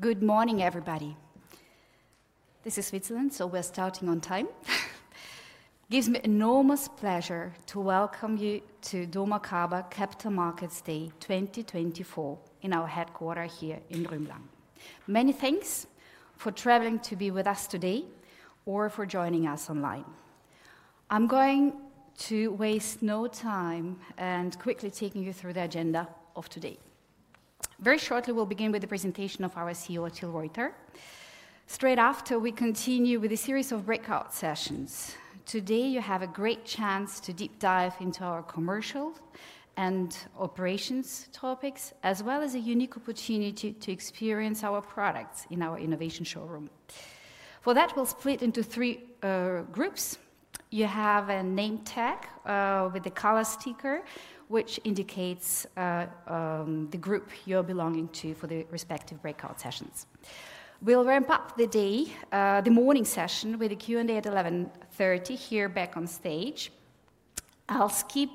Good morning, everybody. This is Switzerland, so we're starting on time. It gives me enormous pleasure to welcome you to Dormakaba Capital Markets Day 2024 in our headquarters here in Rümlang. Many thanks for traveling to be with us today or for joining us online. I'm going to waste no time and quickly take you through the agenda of today. Very shortly, we'll begin with the presentation of our CEO, Till Reuter. Straight after, we continue with a series of breakout sessions. Today, you have a great chance to deep dive into our commercial and operations topics, as well as a unique opportunity to experience our products in our innovation showroom. For that, we'll split into three groups. You have a name tag with a color sticker, which indicates the group you're belonging to for the respective breakout sessions. We'll ramp up the morning session with a Q&A at 11:30 A.M. here back on stage. I'll skip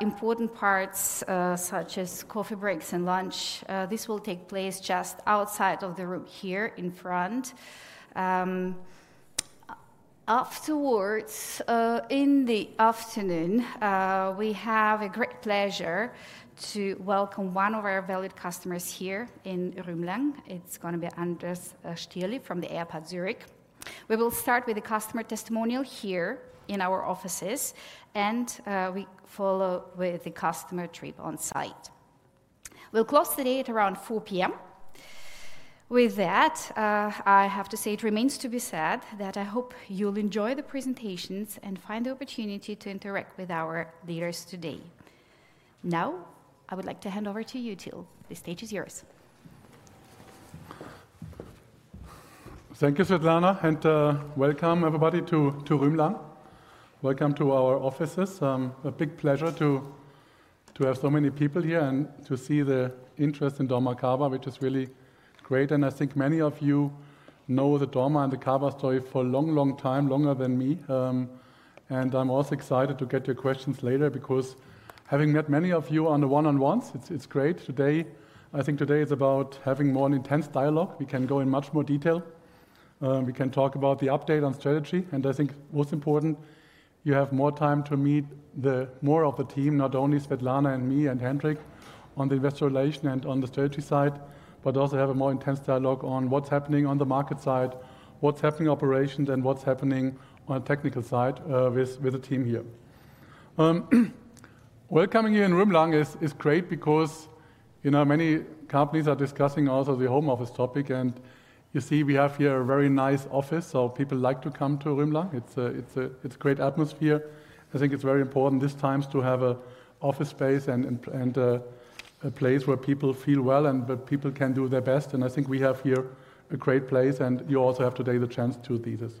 important parts such as coffee breaks and lunch. This will take place just outside of the room here in front. Afterwards, in the afternoon, we have a great pleasure to welcome one of our valued customers here in Rümlang. It's going to be Andreas Stöckli from the Airport Zurich. We will start with a customer testimonial here in our offices, and we follow with the customer trip on site. We'll close the day at around 4:00 P.M. With that, I have to say it remains to be said that I hope you'll enjoy the presentations and find the opportunity to interact with our leaders today. Now, I would like to hand over to you, Till. The stage is yours. Thank you, Swetlana, and welcome everybody to Rümlang. Welcome to our offices. A big pleasure to have so many people here and to see the interest in Dormakaba, which is really great, and I think many of you know the Dormakaba story for a long, long time, longer than me, and I'm also excited to get your questions later because having met many of you on the one-on-ones, it's great. Today, I think today is about having more intense dialogue. We can go in much more detail. We can talk about the update on strategy. I think most important, you have more time to meet more of the team, not only Swetlana and me and Hendrik on the investor relation and on the strategy side, but also have a more intense dialogue on what's happening on the market side, what's happening in operations, and what's happening on a technical side with the team here. Welcoming you in Rümlang is great because many companies are discussing also the home office topic. And you see we have here a very nice office, so people like to come to Rümlang. It's a great atmosphere. I think it's very important these times to have an office space and a place where people feel well and where people can do their best. And I think we have here a great place, and you also have today the chance to do this.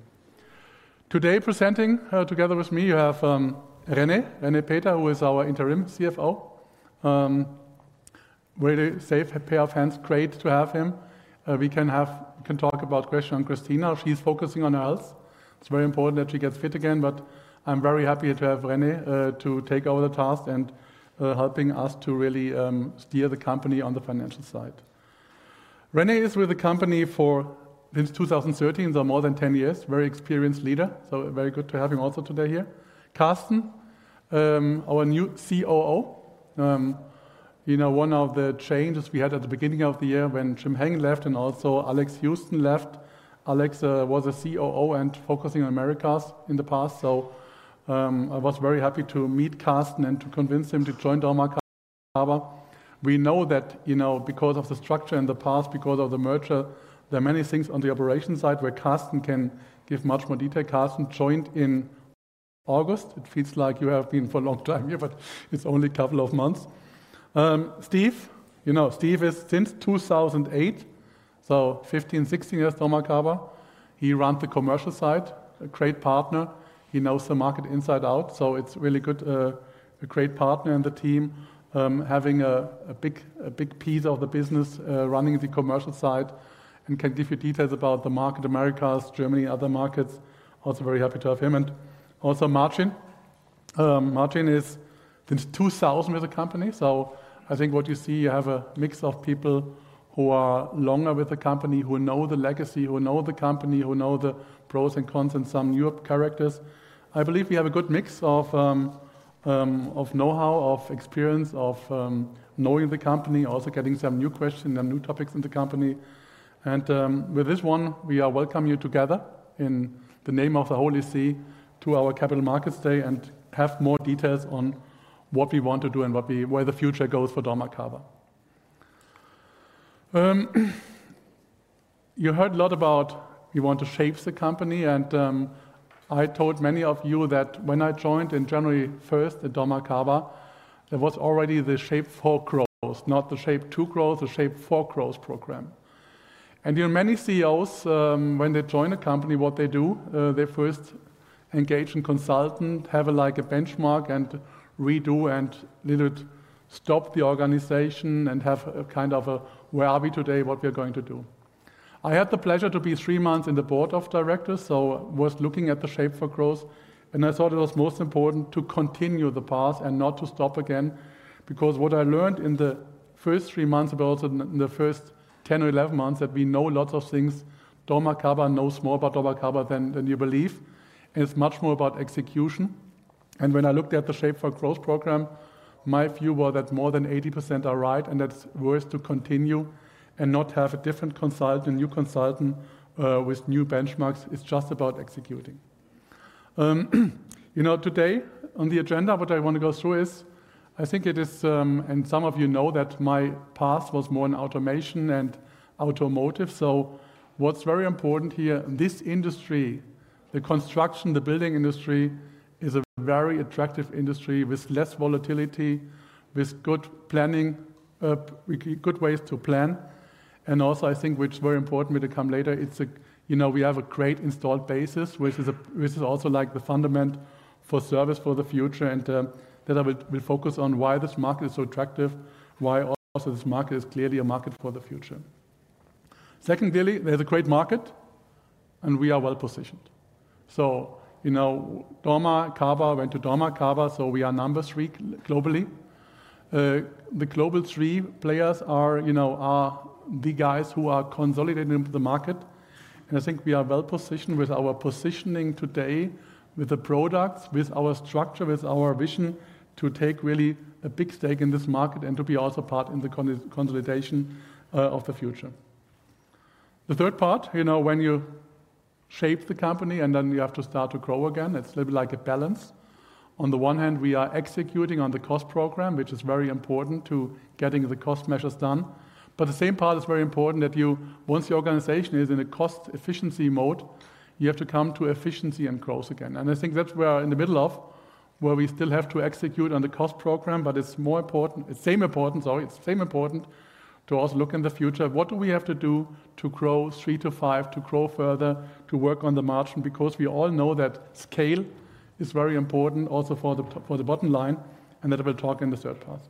Today, presenting together with me, you have René Peter, who is our interim CFO. Really safe pair of hands. Great to have him. We can talk about questions on Christina. She's focusing on health. It's very important that she gets fit again. But I'm very happy to have René to take over the task and helping us to really steer the company on the financial side. René is with the company since 2013, so more than 10 years, a very experienced leader. So very good to have him also today here. Carsten, our new COO. One of the changes we had at the beginning of the year when Jim-Heng left and also Alex Housten left. Alex was a COO and focusing on Americas in the past. So I was very happy to meet Carsten and to convince him to join Dormakaba. We know that because of the structure in the past, because of the merger, there are many things on the operations side where Carsten can give much more detail. Carsten joined in August. It feels like you have been for a long time here, but it's only a couple of months. Steve, you know, Steve is since 2008, so 15, 16 years Dormakaba. He runs the commercial side, a great partner. He knows the market inside out. So it's really good, a great partner in the team, having a big piece of the business running the commercial side, and can give you details about the market, Americas, Germany, other markets. Also very happy to have him, and also Martin. Martin is since 2000 with the company. So I think what you see, you have a mix of people who are longer with the company, who know the legacy, who know the company, who know the pros and cons and some new characters. I believe we have a good mix of know-how, of experience, of knowing the company, also getting some new questions and new topics in the company. And with this one, we are welcoming you together in the name of the whole EC to our Capital Markets Day and have more details on what we want to do and where the future goes for Dormakaba. You heard a lot about we want to shape the company. And I told many of you that when I joined on January 1st at Dormakaba, there was already the Shape4Growth, not the Shape2Growth, the Shape4Growth program. Many CEOs, when they join a company, what they do, they first engage and consult, have like a benchmark and redo and a little stop the organization and have a kind of a where are we today, what we're going to do. I had the pleasure to be three months in the board of directors, so I was looking at the Shape4Growth. I thought it was most important to continue the path and not to stop again because what I learned in the first three months about the first 10 or 11 months that we know lots of things. Dormakaba knows more about Dormakaba than you believe. It's much more about execution. When I looked at the Shape4Growth program, my view was that more than 80% are right and that's worth to continue and not have a different consultant, a new consultant with new benchmarks. It's just about executing. Today, on the agenda, what I want to go through is I think it is, and some of you know that my path was more in automation and automotive. What's very important here, this industry, the construction, the building industry is a very attractive industry with less volatility, with good planning, good ways to plan. Also, I think which is very important to come later, we have a great installed base, which is also like the foundation for service for the future. That I will focus on why this market is so attractive, why also this market is clearly a market for the future. Secondly, there's a great market and we are well positioned. So dormakaba, went to dormakaba, so we are number three globally. The global three players are the guys who are consolidating the market. And I think we are well positioned with our positioning today, with the products, with our structure, with our vision to take really a big stake in this market and to be also part in the consolidation of the future. The third part, when you shape the company and then you have to start to grow again, it's a little bit like a balance. On the one hand, we are executing on the cost program, which is very important to getting the cost measures done. But the same part is very important that once the organization is in a cost efficiency mode, you have to come to efficiency and growth again. And I think that's where in the middle of where we still have to execute on the cost program, but it's more important, same importance, it's same important to also look in the future. What do we have to do to grow three to five, to grow further, to work on the margin? Because we all know that scale is very important also for the bottom line and that we'll talk in the third part.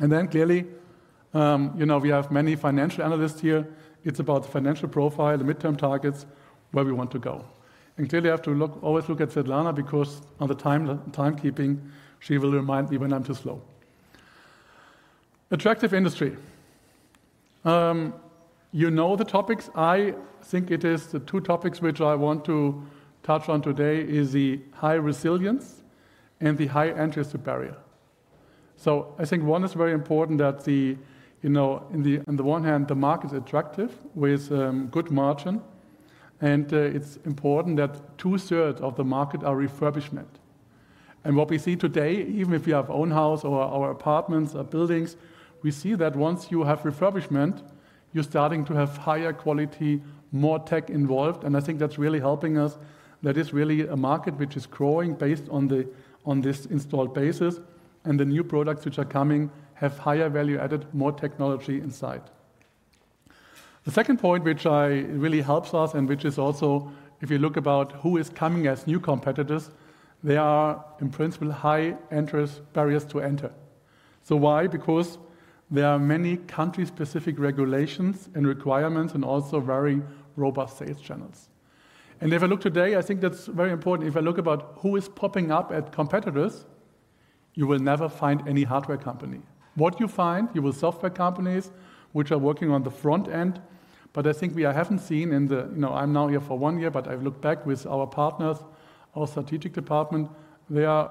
And then clearly, we have many financial analysts here. It's about the financial profile, the midterm targets, where we want to go. And clearly, I have to always look at Swetlana because on the timekeeping, she will remind me when I'm too slow. Attractive industry. You know the topics. I think it is the two topics which I want to touch on today is the high resilience and the high entry barrier. So I think one is very important that on the one hand, the market is attractive with good margin. And it's important that two-thirds of the market are refurbishment. And what we see today, even if you have own house or our apartments or buildings, we see that once you have refurbishment, you're starting to have higher quality, more tech involved. And I think that's really helping us. That is really a market which is growing based on this installed basis. And the new products which are coming have higher value added, more technology inside. The second point which really helps us and which is also, if you look about who is coming as new competitors, there are in principle high entry barriers to enter. So why? Because there are many country-specific regulations and requirements and also very robust sales channels. If I look today, I think that's very important. If I look about who is popping up at competitors, you will never find any hardware company. What you find, you will software companies which are working on the front end. But I think we haven't seen in the. I'm now here for one year, but I've looked back with our partners, our strategic department. There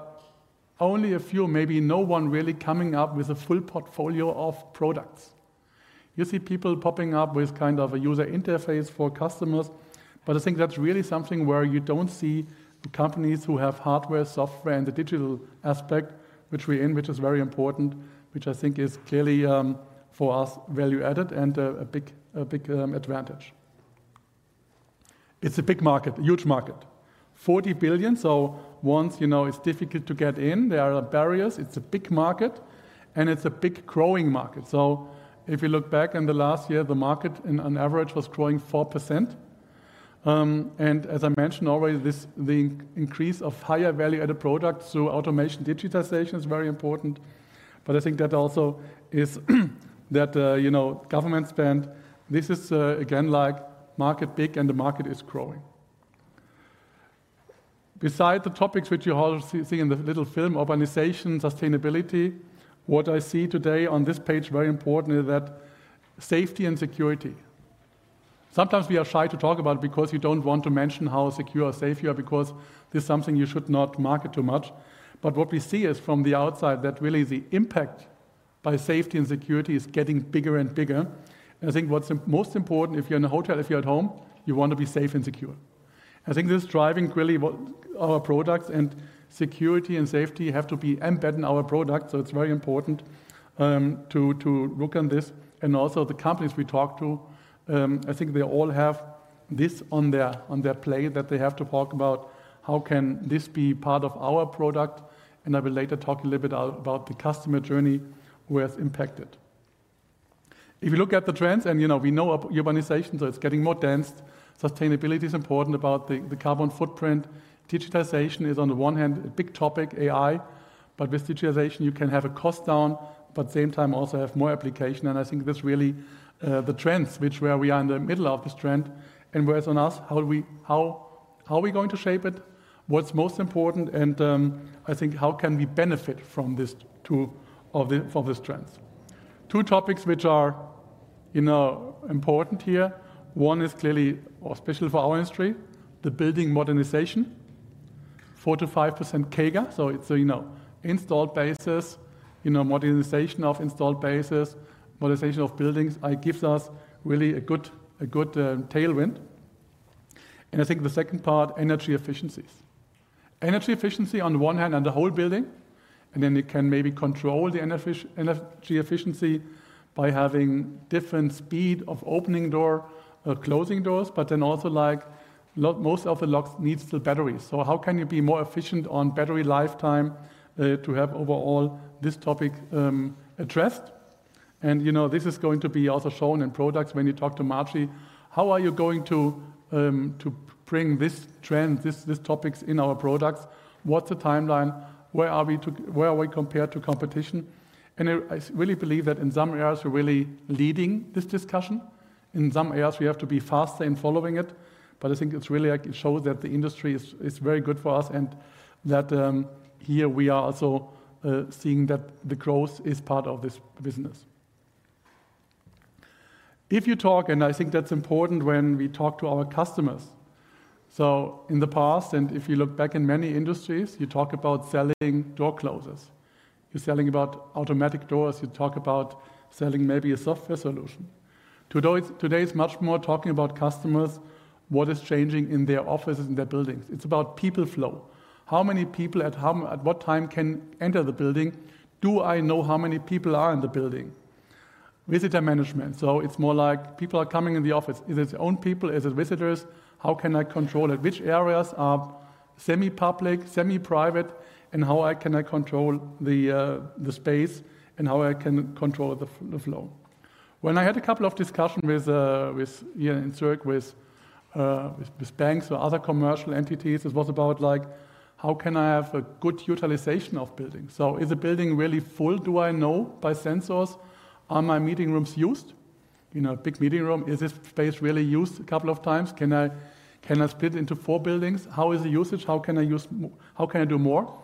are only a few, maybe no one really coming up with a full portfolio of products. You see people popping up with kind of a user interface for customers. But I think that's really something where you don't see the companies who have hardware, software, and the digital aspect, which we aim, which is very important, which I think is clearly for us value added and a big advantage. It's a big market, a huge market. $40 billion. So once it's difficult to get in, there are barriers. It's a big market and it's a big growing market. So if you look back in the last year, the market on average was growing 4%. And as I mentioned already, the increase of higher value added products, so automation digitization is very important. But I think that also is that government spend. This is again like market big and the market is growing. Besides the topics which you all see in the little film, organization, sustainability, what I see today on this stage very important is that safety and security. Sometimes we are shy to talk about it because you don't want to mention how secure or safe you are because this is something you should not market too much. But what we see is from the outside that really the impact by safety and security is getting bigger and bigger. And I think what's most important if you're in a hotel, if you're at home, you want to be safe and secure. I think this driving really our products and security and safety have to be embedded in our product. So it's very important to look on this. And also the companies we talk to, I think they all have this on their plate that they have to talk about how can this be part of our product. And I will later talk a little bit about the customer journey who has impacted. If you look at the trends and we know urbanization, so it's getting more dense. Sustainability is important about the carbon footprint. Digitization is on the one hand a big topic, AI. But with digitization, you can have a cost down, but at the same time also have more application. And I think this is really the trends which we are in the middle of this trend and what is on us, how are we going to shape it? What's most important? And I think how can we benefit from this, this trend? Two topics which are important here. One is clearly especially for our industry, the building modernization. 4%-5% CAGR. So it's installed base, modernization of installed base, modernization of buildings gives us really a good tailwind. And I think the second part, energy efficiency. Energy efficiency on one hand and the whole building. And then it can maybe control the energy efficiency by having different speed of opening door, closing doors, but then also like most of the locks need still batteries. So how can you be more efficient on battery lifetime to have overall this topic addressed? And this is going to be also shown in products when you talk to Martin, how are you going to bring this trend, these topics in our products? What's the timeline? Where are we compared to competition? And I really believe that in some areas we're really leading this discussion. In some areas, we have to be faster in following it. But I think it's really like it shows that the industry is very good for us and that here we are also seeing that the growth is part of this business. If you talk, and I think that's important when we talk to our customers. So in the past, and if you look back in many industries, you talk about selling door closers. You're selling about automatic doors. You talk about selling maybe a software solution. Today is much more talking about customers, what is changing in their offices, in their buildings. It's about people flow. How many people at what time can enter the building? Do I know how many people are in the building? Visitor management. So it's more like people are coming in the office. Is it own people? Is it visitors? How can I control it? Which areas are semi-public, semi-private, and how can I control the space and how I can control the flow? When I had a couple of discussions here in Zurich with banks or other commercial entities, it was about like how can I have a good utilization of buildings? So is the building really full? Do I know by sensors? Are my meeting rooms used? Big meeting room, is this space really used a couple of times? Can I split into four buildings? How is the usage? How can I do more?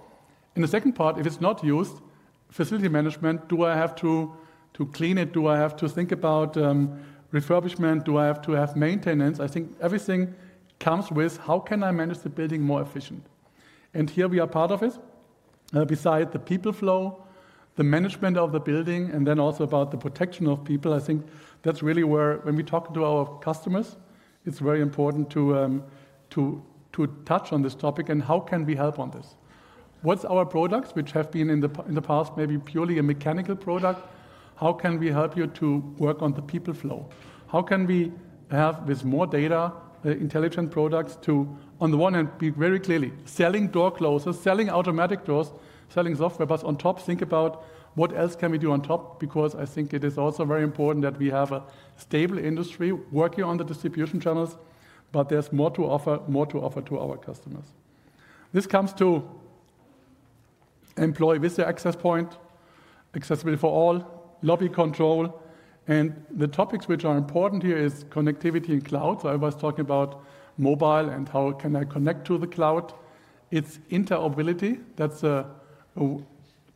And the second part, if it's not used, facility management, do I have to clean it? Do I have to think about refurbishment? Do I have to have maintenance? I think everything comes with how can I manage the building more efficient? And here we are part of it. Beside the people flow, the management of the building, and then also about the protection of people, I think that's really where when we talk to our customers, it's very important to touch on this topic and how can we help on this? What's our products which have been in the past maybe purely a mechanical product? How can we help you to work on the people flow? How can we have with more data intelligent products to, on the one hand, be very clearly selling door closers, selling automatic doors, selling software, but on top, think about what else can we do on top? Because I think it is also very important that we have a stable industry working on the distribution channels, but there's more to offer to our customers. This comes to employee visitor access point, accessibility for all, lobby control, and the topics which are important here is connectivity and cloud, so I was talking about mobile and how can I connect to the cloud? It's interoperability. That's a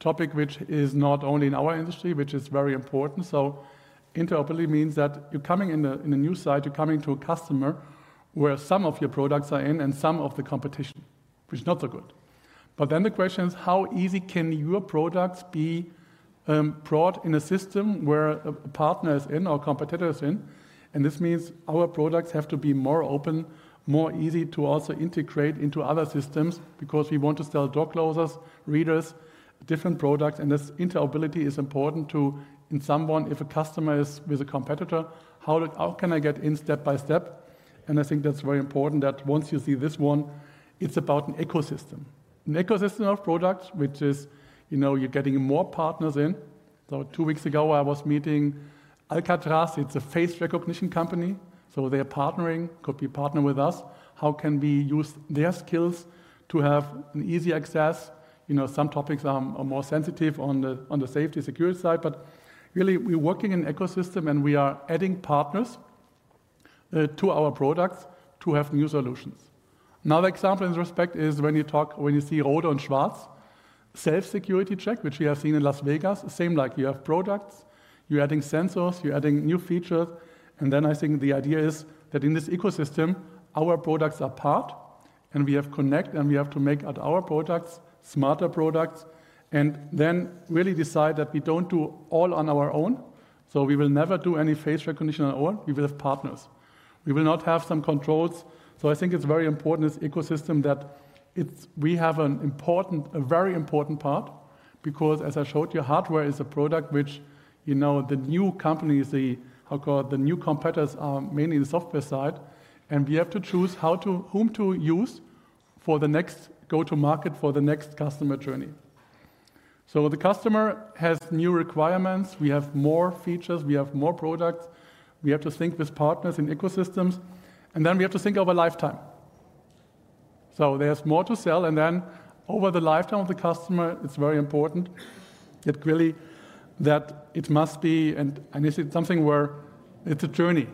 topic which is not only in our industry, which is very important, so interoperability means that you're coming in a new site, you're coming to a customer where some of your products are in and some of the competition, which is not so good. But then the question is, how easy can your products be brought into a system where a partner is in or competitor is in? And this means our products have to be more open, more easy to also integrate into other systems because we want to sell door closers, readers, different products. And this interoperability is important to someone. If a customer is with a competitor, how can I get in step by step? And I think that's very important that once you see this one, it's about an ecosystem. An ecosystem of products, which is you're getting more partners in. So two weeks ago, I was meeting Alcatraz. It's a face recognition company. So they are partnering, could be partner with us. How can we use their skills to have easy access? Some topics are more sensitive on the safety security side, but really we're working in an ecosystem and we are adding partners to our products to have new solutions. Another example in respect is when you see Rohde & Schwarz, self-security check, which we have seen in Las Vegas, same like you have products, you're adding sensors, you're adding new features, and then I think the idea is that in this ecosystem, our products are part and we have connect and we have to make our products smarter products and then really decide that we don't do all on our own. So we will never do any face recognition at all. We will have partners. We will not have some controls. So I think it's very important this ecosystem that we have a very important part because as I showed you, hardware is a product which the new companies, I'll call it the new competitors, are mainly in the software side. And we have to choose whom to use for the next go-to-market for the next customer journey. So the customer has new requirements. We have more features. We have more products. We have to think with partners in ecosystems. And then we have to think of a lifetime. So there's more to sell. And then over the lifetime of the customer, it's very important that really that it must be and this is something where it's a journey.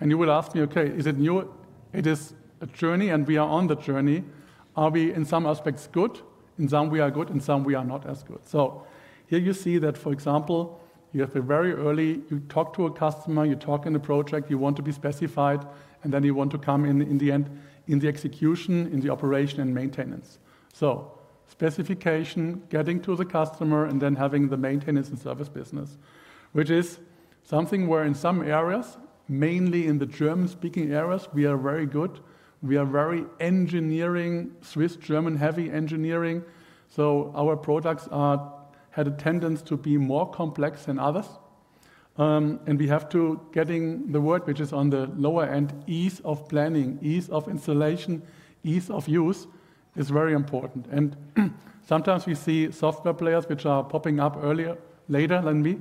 And you will ask me, okay, is it new? It is a journey and we are on the journey. Are we in some aspects good? In some we are good. In some we are not as good. So here you see that, for example, you have a very early, you talk to a customer, you talk in the project, you want to be specified, and then you want to come in the end in the execution, in the operation and maintenance. So specification, getting to the customer, and then having the maintenance and service business, which is something where in some areas, mainly in the German-speaking areas, we are very good. We are very engineering, Swiss-German heavy engineering. So our products had a tendency to be more complex than others. And we have to get the word which is on the lower end, ease of planning, ease of installation, ease of use is very important. Sometimes we see software players which are popping up later than me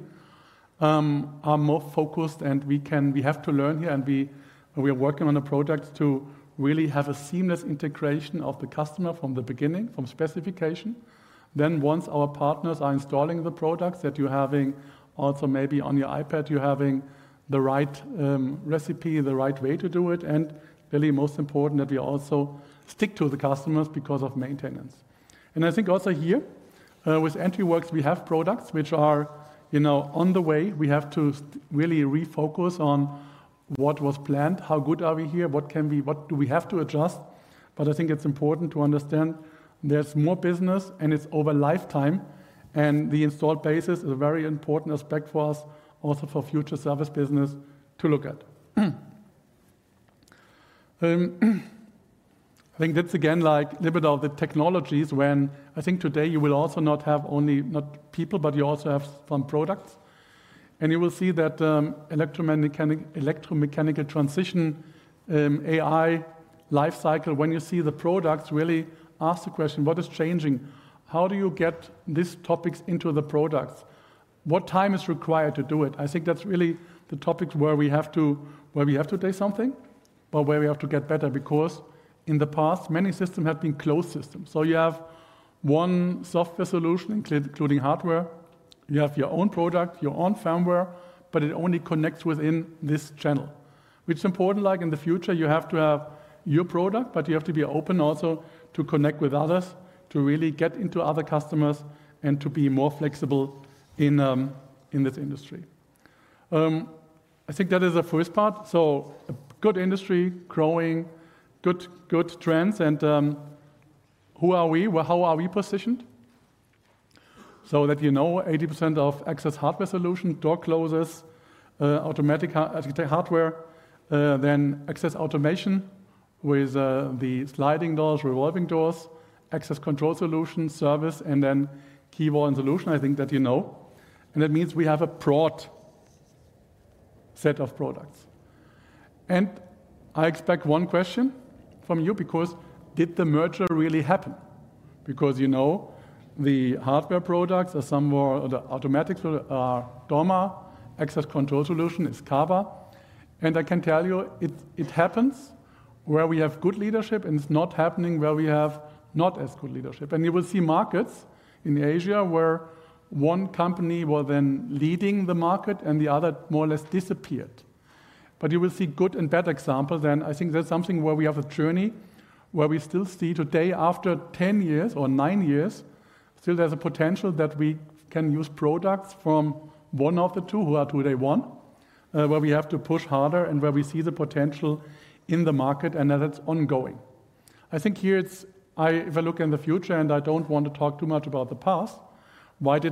are more focused and we have to learn here and we are working on the product to really have a seamless integration of the customer from the beginning, from specification. Then once our partners are installing the products that you're having also maybe on your iPad, you're having the right recipe, the right way to do it, and really most important that we also stick to the customers because of maintenance. I think also here with EntriWorX, we have products which are on the way. We have to really refocus on what was planned. How good are we here? What do we have to adjust? I think it's important to understand there's more business and it's over lifetime. The installed base is a very important aspect for us, also for future service business to look at. I think that's again like a little bit of the technologies. When I think today, you will also not only have people, but you also have some products. You will see that electromechanical transition, AI lifecycle. When you see the products, really ask the question, what is changing? How do you get these topics into the products? What time is required to do it? I think that's really the topics where we have to do something, but where we have to get better because in the past, many systems have been closed systems. So you have one software solution, including hardware. You have your own product, your own firmware, but it only connects within this channel, which is important. Like in the future, you have to have your product, but you have to be open also to connect with others to really get into other customers and to be more flexible in this industry. I think that is the first part. A good industry, growing, good trends. And who are we? How are we positioned? So that you know 80% of access hardware solution, door closers, automatic hardware, then access automation with the sliding doors, revolving doors, access control solution, service, and then key and wall solution. I think that you know. And that means we have a broad set of products. And I expect one question from you because did the merger really happen? Because the hardware products are somewhere or the automatics are Dorma, access control solution is Kaba. I can tell you it happens where we have good leadership and it's not happening where we have not as good leadership. You will see markets in Asia where one company was then leading the market and the other more or less disappeared. But you will see good and bad examples. I think that's something where we have a journey where we still see today after 10 years or nine years, still there's a potential that we can use products from one of the two who are today one, where we have to push harder and where we see the potential in the market and that it's ongoing. I think here it's, if I look in the future and I don't want to talk too much about the past, what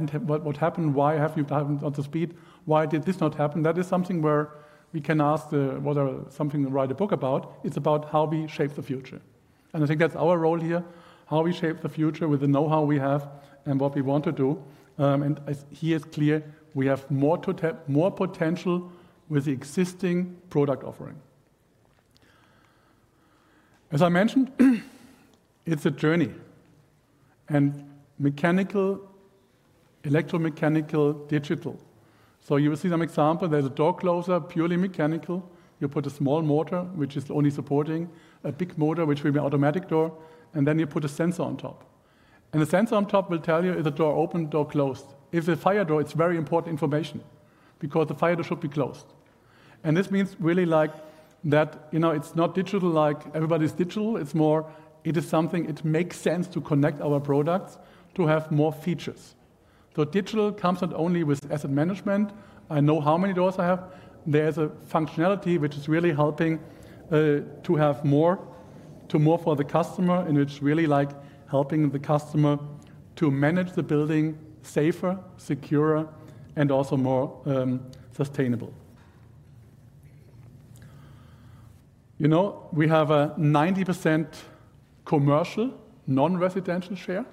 happened? Why have you done to speed? Why did this not happen? That is something where we can ask whether something to write a book about. It's about how we shape the future, and I think that's our role here, how we shape the future with the know-how we have and what we want to do, and here it's clear we have more potential with the existing product offering. As I mentioned, it's a journey, and mechanical, electromechanical, digital. So you will see some example. There's a door closer, purely mechanical. You put a small motor, which is only supporting a big motor, which will be an automatic door. And then you put a sensor on top, and the sensor on top will tell you if the door opened, door closed. If the fire door, it's very important information because the fire door should be closed. And this means really like that it's not digital like everybody's digital. It's more. It is something it makes sense to connect our products to have more features. So digital comes not only with asset management. I know how many doors I have. There is a functionality which is really helping to have more for the customer in which really like helping the customer to manage the building safer, securer, and also more sustainable. We have a 90% commercial non-residential share.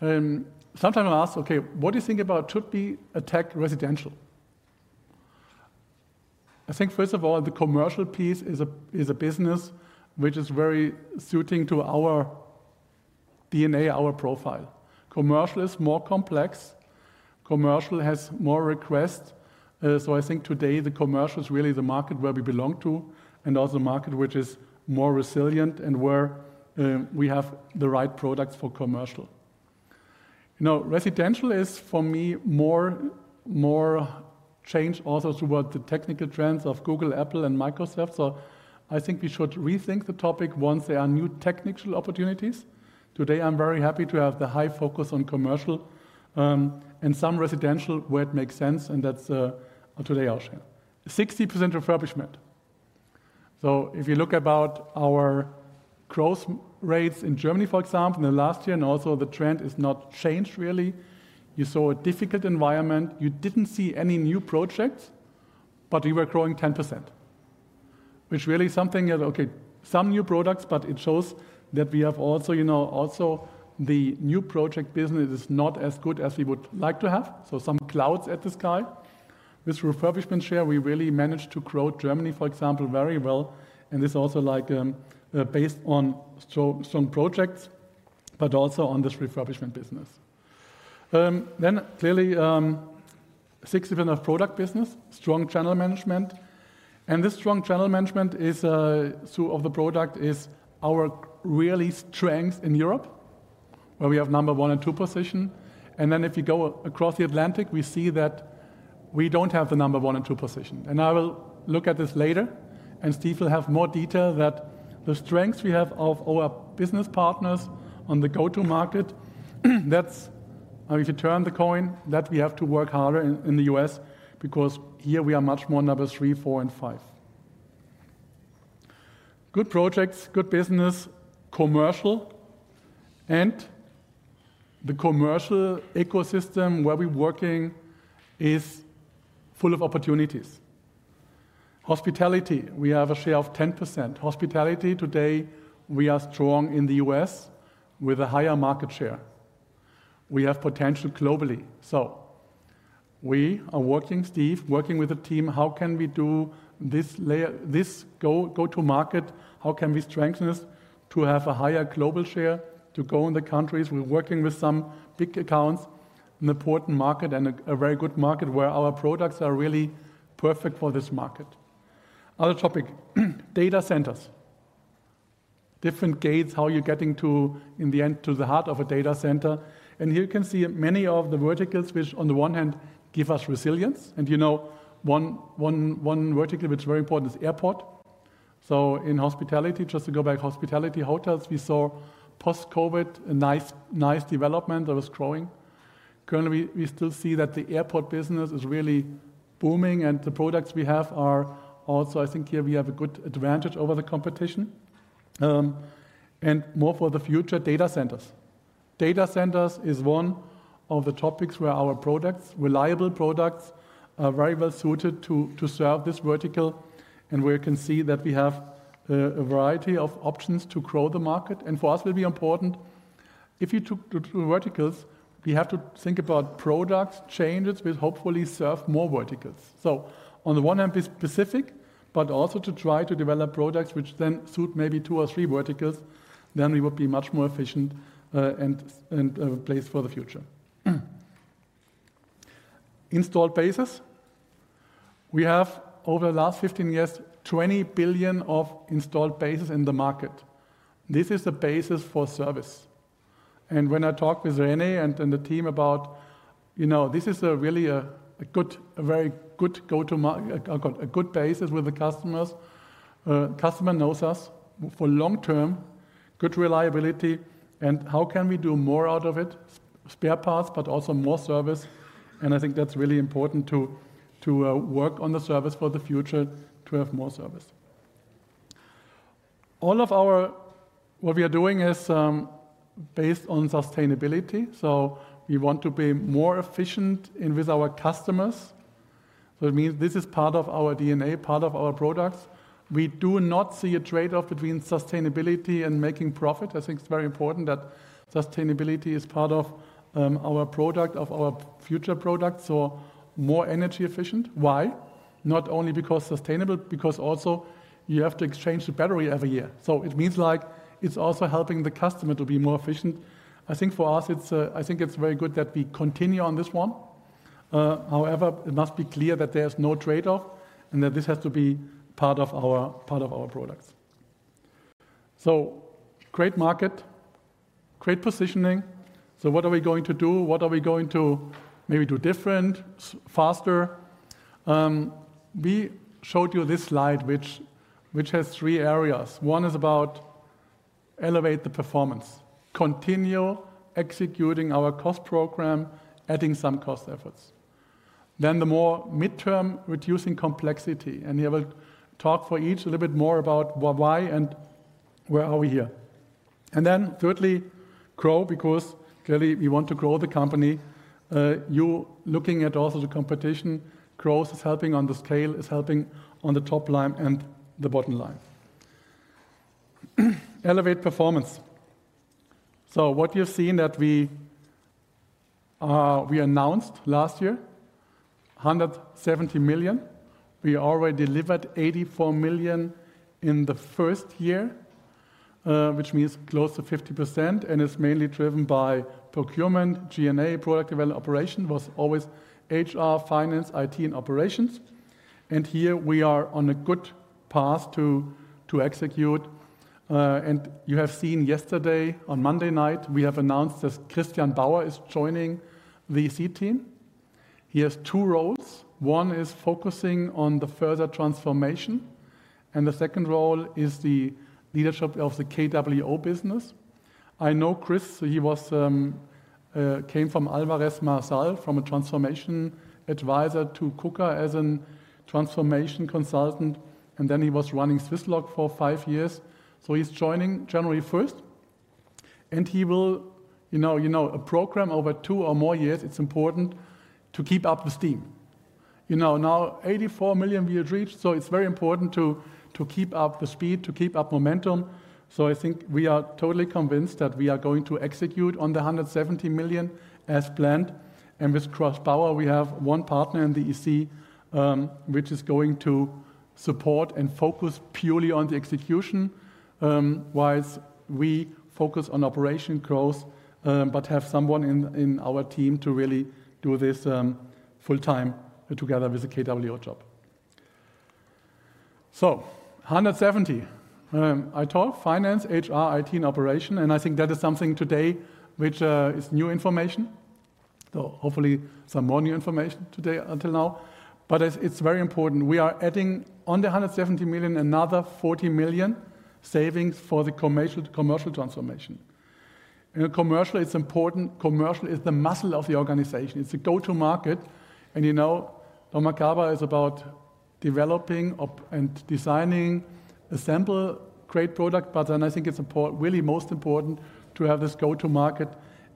Sometimes I'm asked, okay, what do you think about should be a tech residential? I think first of all, the commercial piece is a business which is very suiting to our DNA, our profile. Commercial is more complex. Commercial has more request. So I think today the commercial is really the market where we belong to and also the market which is more resilient and where we have the right products for commercial. Residential is for me more changed also towards the technical trends of Google, Apple, and Microsoft. So I think we should rethink the topic once there are new technical opportunities. Today I'm very happy to have the high focus on commercial and some residential where it makes sense. And that's today I'll share. 60% refurbishment. So if you look about our growth rates in Germany, for example, in the last year, and also the trend is not changed really. You saw a difficult environment. You didn't see any new projects, but we were growing 10%, which really is something that, okay, some new products, but it shows that we have also the new project business is not as good as we would like to have. So some clouds at the sky. This refurbishment share, we really managed to grow Germany, for example, very well. This is also based on strong projects, but also on this refurbishment business. Then clearly 60% of product business, strong channel management. This strong channel management is of the product is our really strength in Europe, where we have number one and two position. Then if you go across the Atlantic, we see that we don't have the number one and two position. I will look at this later. Steve will have more detail that the strengths we have of our business partners on the go-to-market, that's if you turn the coin, that we have to work harder in the US because here we are much more number three, four, and five. Good projects, good business, commercial, and the commercial ecosystem where we're working is full of opportunities. Hospitality, we have a share of 10%. Hospitality today, we are strong in the U.S. with a higher market share. We have potential globally. So we are working, Steve, working with a team. How can we do this go-to-market? How can we strengthen this to have a higher global share to go in the countries? We're working with some big accounts in the important market and a very good market where our products are really perfect for this market. Other topic, data centers, different gates, how you're getting to in the end to the heart of a data center. And here you can see many of the verticals which on the one hand give us resilience. And one vertical which is very important is airport. So in hospitality, just to go back, hospitality, hotels, we saw post-COVID a nice development that was growing. Currently, we still see that the airport business is really booming and the products we have are also, I think here we have a good advantage over the competition. And more for the future, data centers. Data centers is one of the topics where our products, reliable products, are very well suited to serve this vertical. And where you can see that we have a variety of options to grow the market. And for us, it will be important. If you took two verticals, we have to think about product changes which hopefully serve more verticals. So on the one hand, be specific, but also to try to develop products which then suit maybe two or three verticals, then we would be much more efficient and placed for the future. Installed base. We have over the last 15 years, 20 billion of installed base in the market. This is the basis for service. And when I talk with René and the team about this is really a very good go-to-market, a good basis with the customers. Customer knows us for long-term, good reliability, and how can we do more out of it, spare parts, but also more service. And I think that's really important to work on the service for the future to have more service. All of our what we are doing is based on sustainability. So we want to be more efficient with our customers. So it means this is part of our DNA, part of our products. We do not see a trade-off between sustainability and making profit. I think it's very important that sustainability is part of our product, of our future products. So more energy efficient. Why? Not only because sustainable, because also you have to exchange the battery every year. So it means like it's also helping the customer to be more efficient. I think for us, I think it's very good that we continue on this one. However, it must be clear that there is no trade-off and that this has to be part of our products. So great market, great positioning. So what are we going to do? What are we going to maybe do different, faster? We showed you this slide which has three areas. One is about elevate the performance, continue executing our cost program, adding some cost efforts. Then the more midterm, reducing complexity. And we will talk for each a little bit more about why and why are we here. And then thirdly, grow because clearly we want to grow the company. You looking at also the competition, growth is helping on the scale, is helping on the top line and the bottom line. Elevate performance. So what you've seen that we announced last year, 170 million. We already delivered 84 million in the first year, which means close to 50%. And it's mainly driven by procurement, G&A, product development, operation was always HR, finance, IT, and operations. And here we are on a good path to execute. And you have seen yesterday on Monday night, we have announced that Christian Bauer is joining the EC team. He has two roles. One is focusing on the further transformation. And the second role is the leadership of the KWO business. I know Chris, he came from Alvarez & Marsal from a transformation advisor to KUKA as a transformation consultant. And then he was running Swisslog for five years. So he's joining January 1st. And he will program over two or more years. It's important to keep up the steam. Now, 84 million we'll reach. It's very important to keep up the speed, to keep up momentum. I think we are totally convinced that we are going to execute on the 170 million as planned. With Chris Bauer, we have one partner in the EC, which is going to support and focus purely on the execution, while we focus on operational growth, but have someone in our team to really do this full-time together with the KWO job. So 170 million. I talked finance, HR, IT, and operation. I think that is something today which is new information. Hopefully some more new information today until now. But it's very important. We are adding on the 170 million, another 40 million savings for the commercial transformation. Commercial is important. Commercial is the muscle of the organization. It's a go-to-market. Dormakaba is about developing and designing a simple great product. But then I think it's really most important to have this go-to-market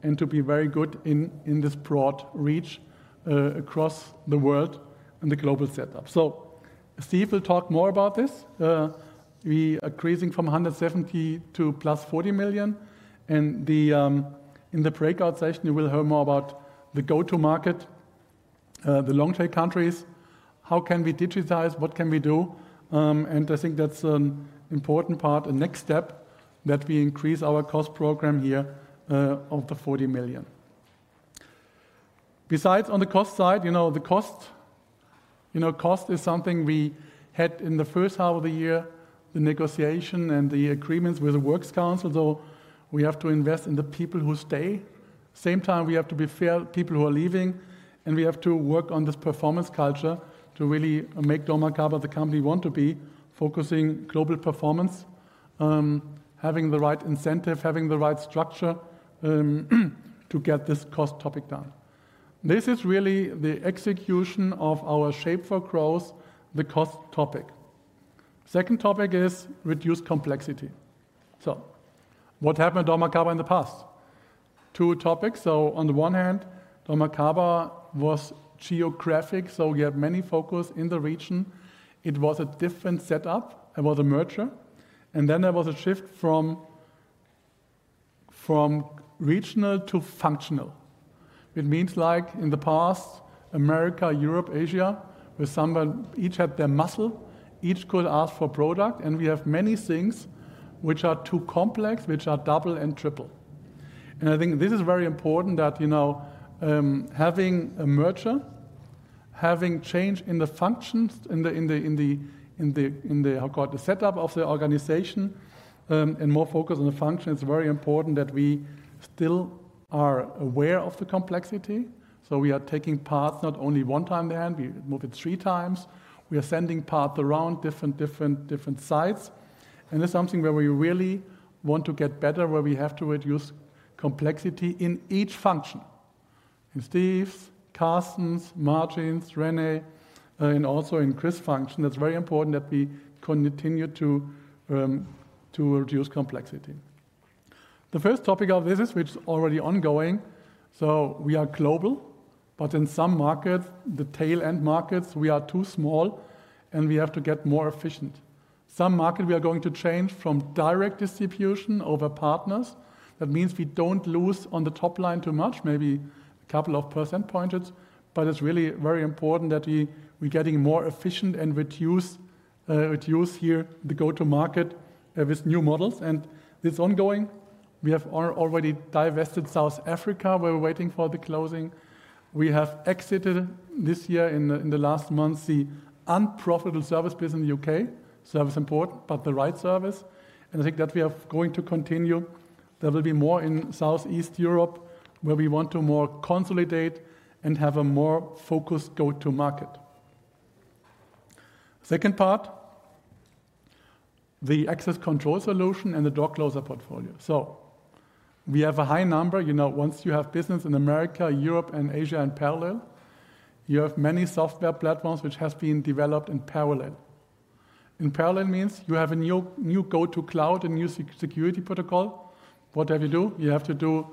and to be very good in this broad reach across the world and the global setup. So Steve will talk more about this. We are increasing from 170 million to plus 40 million. And in the breakout session, you will hear more about the go-to-market, the long-term countries, how can we digitize, what can we do. And I think that's an important part, a next step that we increase our cost program here of the 40 million. Besides on the cost side, the cost is something we had in the first half of the year, the negotiation and the agreements with the works council. So we have to invest in the people who stay. At the same time, we have to be fair to people who are leaving. We have to work on this performance culture to really make Dormakaba the company we want to be, focusing global performance, having the right incentive, having the right structure to get this cost topic done. This is really the execution of our Shape4Growth, the cost topic. Second topic is reduce complexity. What happened to Dormakaba in the past? Two topics. On the one hand, Dormakaba was geographic. We had many focuses in the region. It was a different setup. It was a merger. Then there was a shift from regional to functional. It means like in the past, America, Europe, Asia, each had their muscle, each could ask for product. We have many things which are too complex, which are double and triple. I think this is very important that having a merger, having change in the functions, in the, how I call it, the setup of the organization, and more focus on the function. It's very important that we still are aware of the complexity. So we are taking parts not only one time in the hand, we move it three times. We are sending parts around different sites. And this is something where we really want to get better, where we have to reduce complexity in each function. And Steve, Carsten, Martin, René, and also in Chris's function, it's very important that we continue to reduce complexity. The first topic of this is which is already ongoing. So we are global, but in some markets, the tail-end markets, we are too small and we have to get more efficient. some markets we are going to change from direct distribution to partners. That means we don't lose on the top line too much, maybe a couple of percentage points. But it's really very important that we are getting more efficient and reduce here the go-to-market with new models. And it's ongoing. We have already divested South Africa, where we're waiting for the closing. We have exited this year in the last month the unprofitable service business in the U.K., service import, but the right service. And I think that we are going to continue. There will be more in Southeast Europe, where we want to more consolidate and have a more focused go-to-market. Second part, the access control solution and the door closer portfolio. So we have a high number. Once you have business in America, Europe, and Asia in parallel, you have many software platforms which have been developed in parallel. In parallel means you have a new go-to cloud, a new security protocol. What have you do? You have to do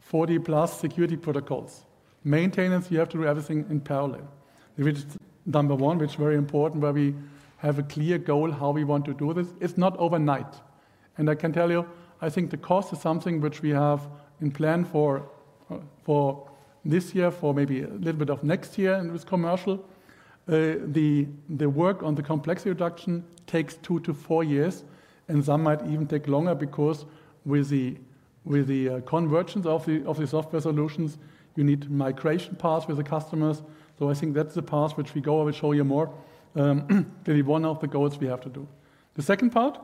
40 plus security protocols. Maintenance, you have to do everything in parallel. Number one, which is very important, where we have a clear goal how we want to do this. It's not overnight, and I can tell you, I think the cost is something which we have in plan for this year, for maybe a little bit of next year with commercial. The work on the complexity reduction takes two to four years, and some might even take longer because with the convergence of the software solutions, you need migration paths with the customers, so I think that's the path which we go over, show you more. Really one of the goals we have to do. The second part,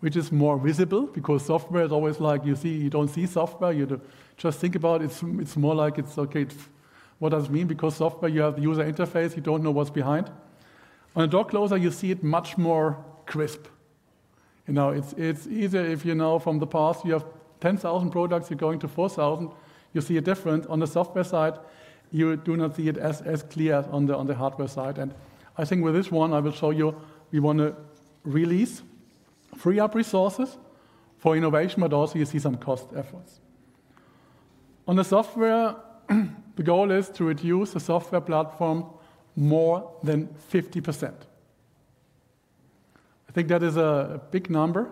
which is more visible because software is always like you see, you don't see software. You just think about it. It's more like it's okay. What does it mean? Because software, you have the user interface, you don't know what's behind. On a door closer, you see it much more crisp. It's easier if you know from the past, you have 10,000 products, you're going to 4,000. You see a difference on the software side. You do not see it as clear on the hardware side. I think with this one, I will show you, we want to free up resources for innovation, but also you see some cost savings. On the software, the goal is to reduce the software platform more than 50%. I think that is a big number.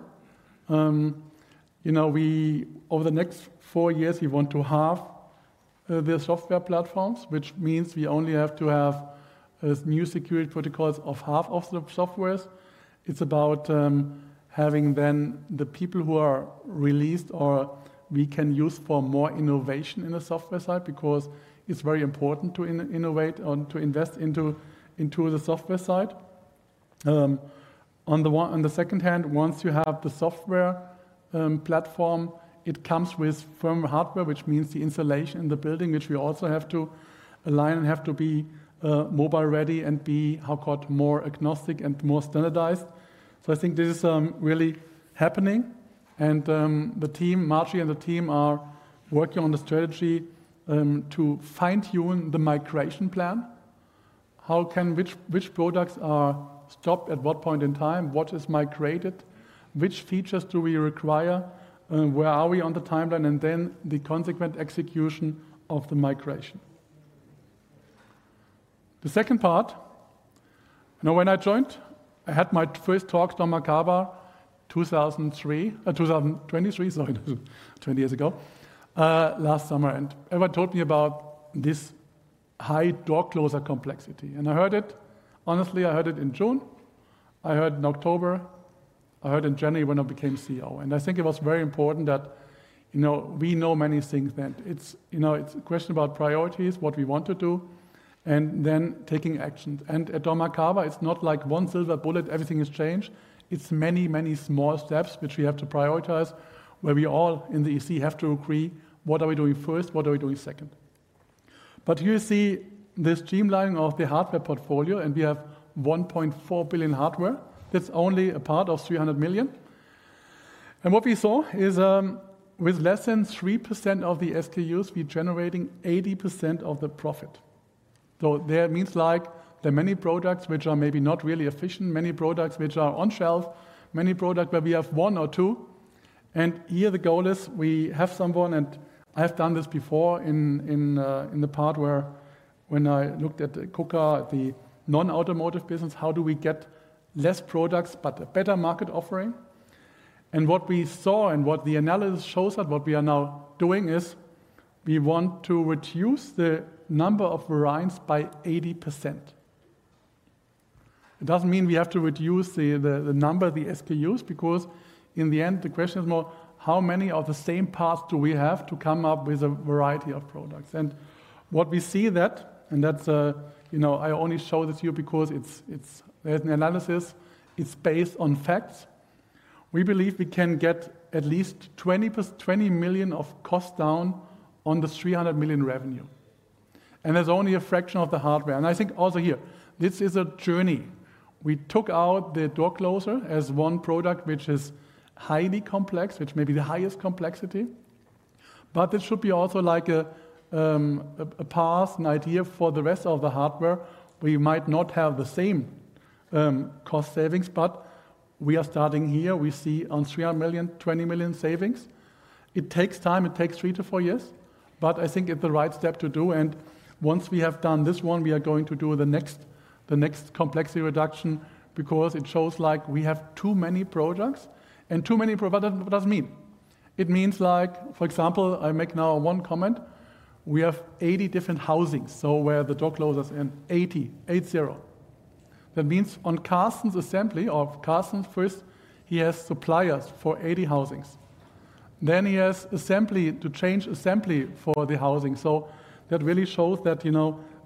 Over the next four years, we want to halve the software platforms, which means we only have to have new security protocols of half of the software. It's about having then the people who are released or we can use for more innovation in the software side because it's very important to innovate and to invest into the software side. On the other hand, once you have the software platform, it comes with firmware hardware, which means the installation in the building, which we also have to align and have to be mobile-ready and be, how I call it, more agnostic and more standardized. So I think this is really happening, and the team, Marc and the team, are working on the strategy to fine-tune the migration plan. How can which products are stopped at what point in time, what is migrated, which features do we require, where are we on the timeline, and then the consequent execution of the migration. The second part, when I joined, I had my first talk to Dormakaba 2023, sorry, 20 years ago, last summer, and everyone told me about this high door closer complexity, and I heard it, honestly, I heard it in June, I heard it in October, I heard it in January when I became CEO. And I think it was very important that we know many things. It's a question about priorities, what we want to do, and then taking actions, and at Dormakaba, it's not like one silver bullet, everything has changed. It's many, many small steps which we have to prioritize, where we all in the EC have to agree, what are we doing first, what are we doing second. But you see this streamlining of the hardware portfolio, and we have 1.4 billion hardware. That's only a part of 300 million. And what we saw is with less than 3% of the SKUs, we're generating 80% of the profit. So that means like there are many products which are maybe not really efficient, many products which are on the shelf, many products where we have one or two. And here the goal is we have someone, and I've done this before in the part where when I looked at KUKA, the non-automotive business, how do we get less products, but a better market offering? What we saw and what the analysis shows is that what we are now doing is we want to reduce the number of variants by 80%. It doesn't mean we have to reduce the number of the SKUs because in the end, the question is more, how many of the same parts do we have to come up with a variety of products? And what we see that, and I only show this to you because there's an analysis, it's based on facts. We believe we can get at least 20 million of cost down on the 300 million revenue. And there's only a fraction of the hardware. And I think also here, this is a journey. We took out the door closer as one product which is highly complex, which may be the highest complexity. But this should be also like a path, an idea for the rest of the hardware. We might not have the same cost savings, but we are starting here. We see on 300 million, 20 million savings. It takes time. It takes three to four years. But I think it's the right step to do. And once we have done this one, we are going to do the next complexity reduction because it shows like we have too many products. And too many products, what does it mean? It means like, for example, I make now one comment. We have 80 different housings, so where the door closers in 80, 8-0. That means on Carsten's assembly or Carsten's first, he has suppliers for 80 housings. Then he has assembly to change assembly for the housing. So that really shows that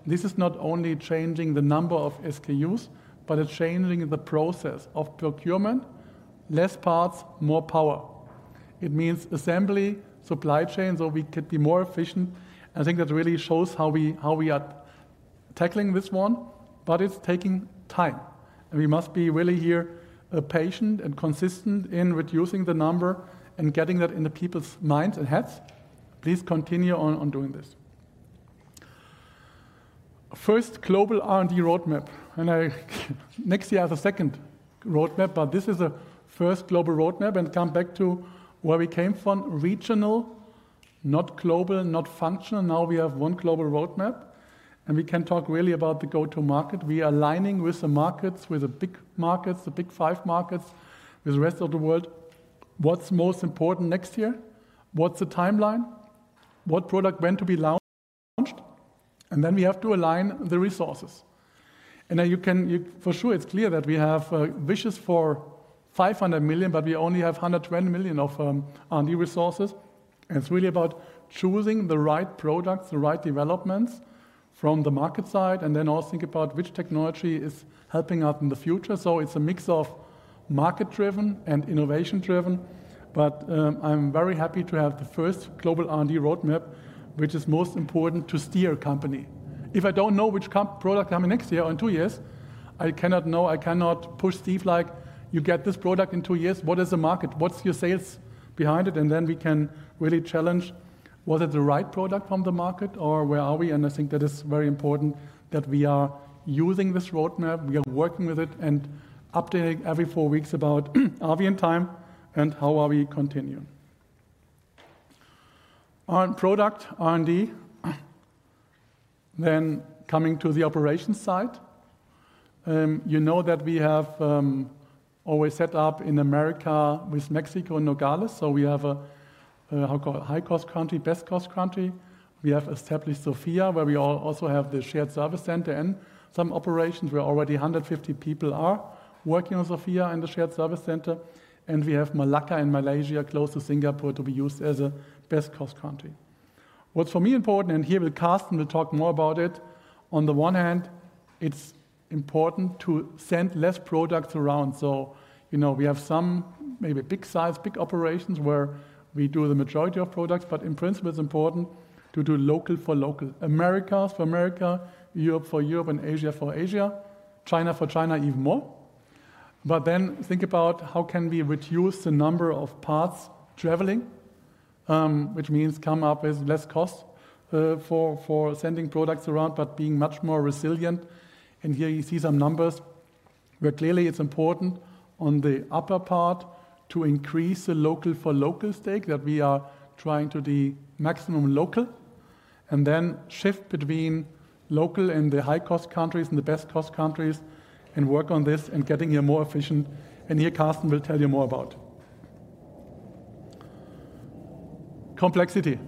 this is not only changing the number of SKUs, but it's changing the process of procurement, less parts, more power. It means assembly, supply chain, so we could be more efficient. I think that really shows how we are tackling this one. But it's taking time. And we must be really here patient and consistent in reducing the number and getting that in the people's minds and heads. Please continue on doing this. First global R&D roadmap. Next year, I have a second roadmap, but this is a first global roadmap. And come back to where we came from, regional, not global, not functional. Now we have one global roadmap. And we can talk really about the go-to-market. We are aligning with the markets, with the big markets, the big five markets, with the rest of the world. What's most important next year? What's the timeline? What product went to be launched? And then we have to align the resources. And for sure, it's clear that we have wishes for 500 million, but we only have 120 million of R&D resources. And it's really about choosing the right products, the right developments from the market side, and then also think about which technology is helping out in the future. So it's a mix of market-driven and innovation-driven. But I'm very happy to have the first global R&D roadmap, which is most important to steer a company. If I don't know which product coming next year or in two years, I cannot know. I cannot push Steve like, "You get this product in two years. What is the market? What's your sales behind it?" And then we can really challenge, was it the right product from the market or where are we? I think that is very important that we are using this roadmap. We are working with it and updating every four weeks about, are we in time and how are we continuing? Product, R&D. Then coming to the operations side. You know that we have always set up in America with Mexico and Nogales. So we have a, how I call it, high-cost country, best-cost country. We have established Sofia, where we also have the shared service center and some operations where already 150 people are working on Sofia and the shared service center. And we have Malacca in Malaysia, close to Singapore, to be used as a best-cost country. What's for me important, and here with Carsten, we'll talk more about it. On the one hand, it's important to send less products around. So we have some maybe big-size, big operations where we do the majority of products, but in principle, it's important to do local for local. America for America, Europe for Europe, and Asia for Asia, China for China even more. But then think about how can we reduce the number of parts traveling, which means come up with less cost for sending products around, but being much more resilient. And here you see some numbers where clearly it's important on the upper part to increase the local for local stake that we are trying to be maximum local. And then shift between local and the high-cost countries and the best-cost countries and work on this and getting here more efficient. And here Carsten will tell you more about. Complexity.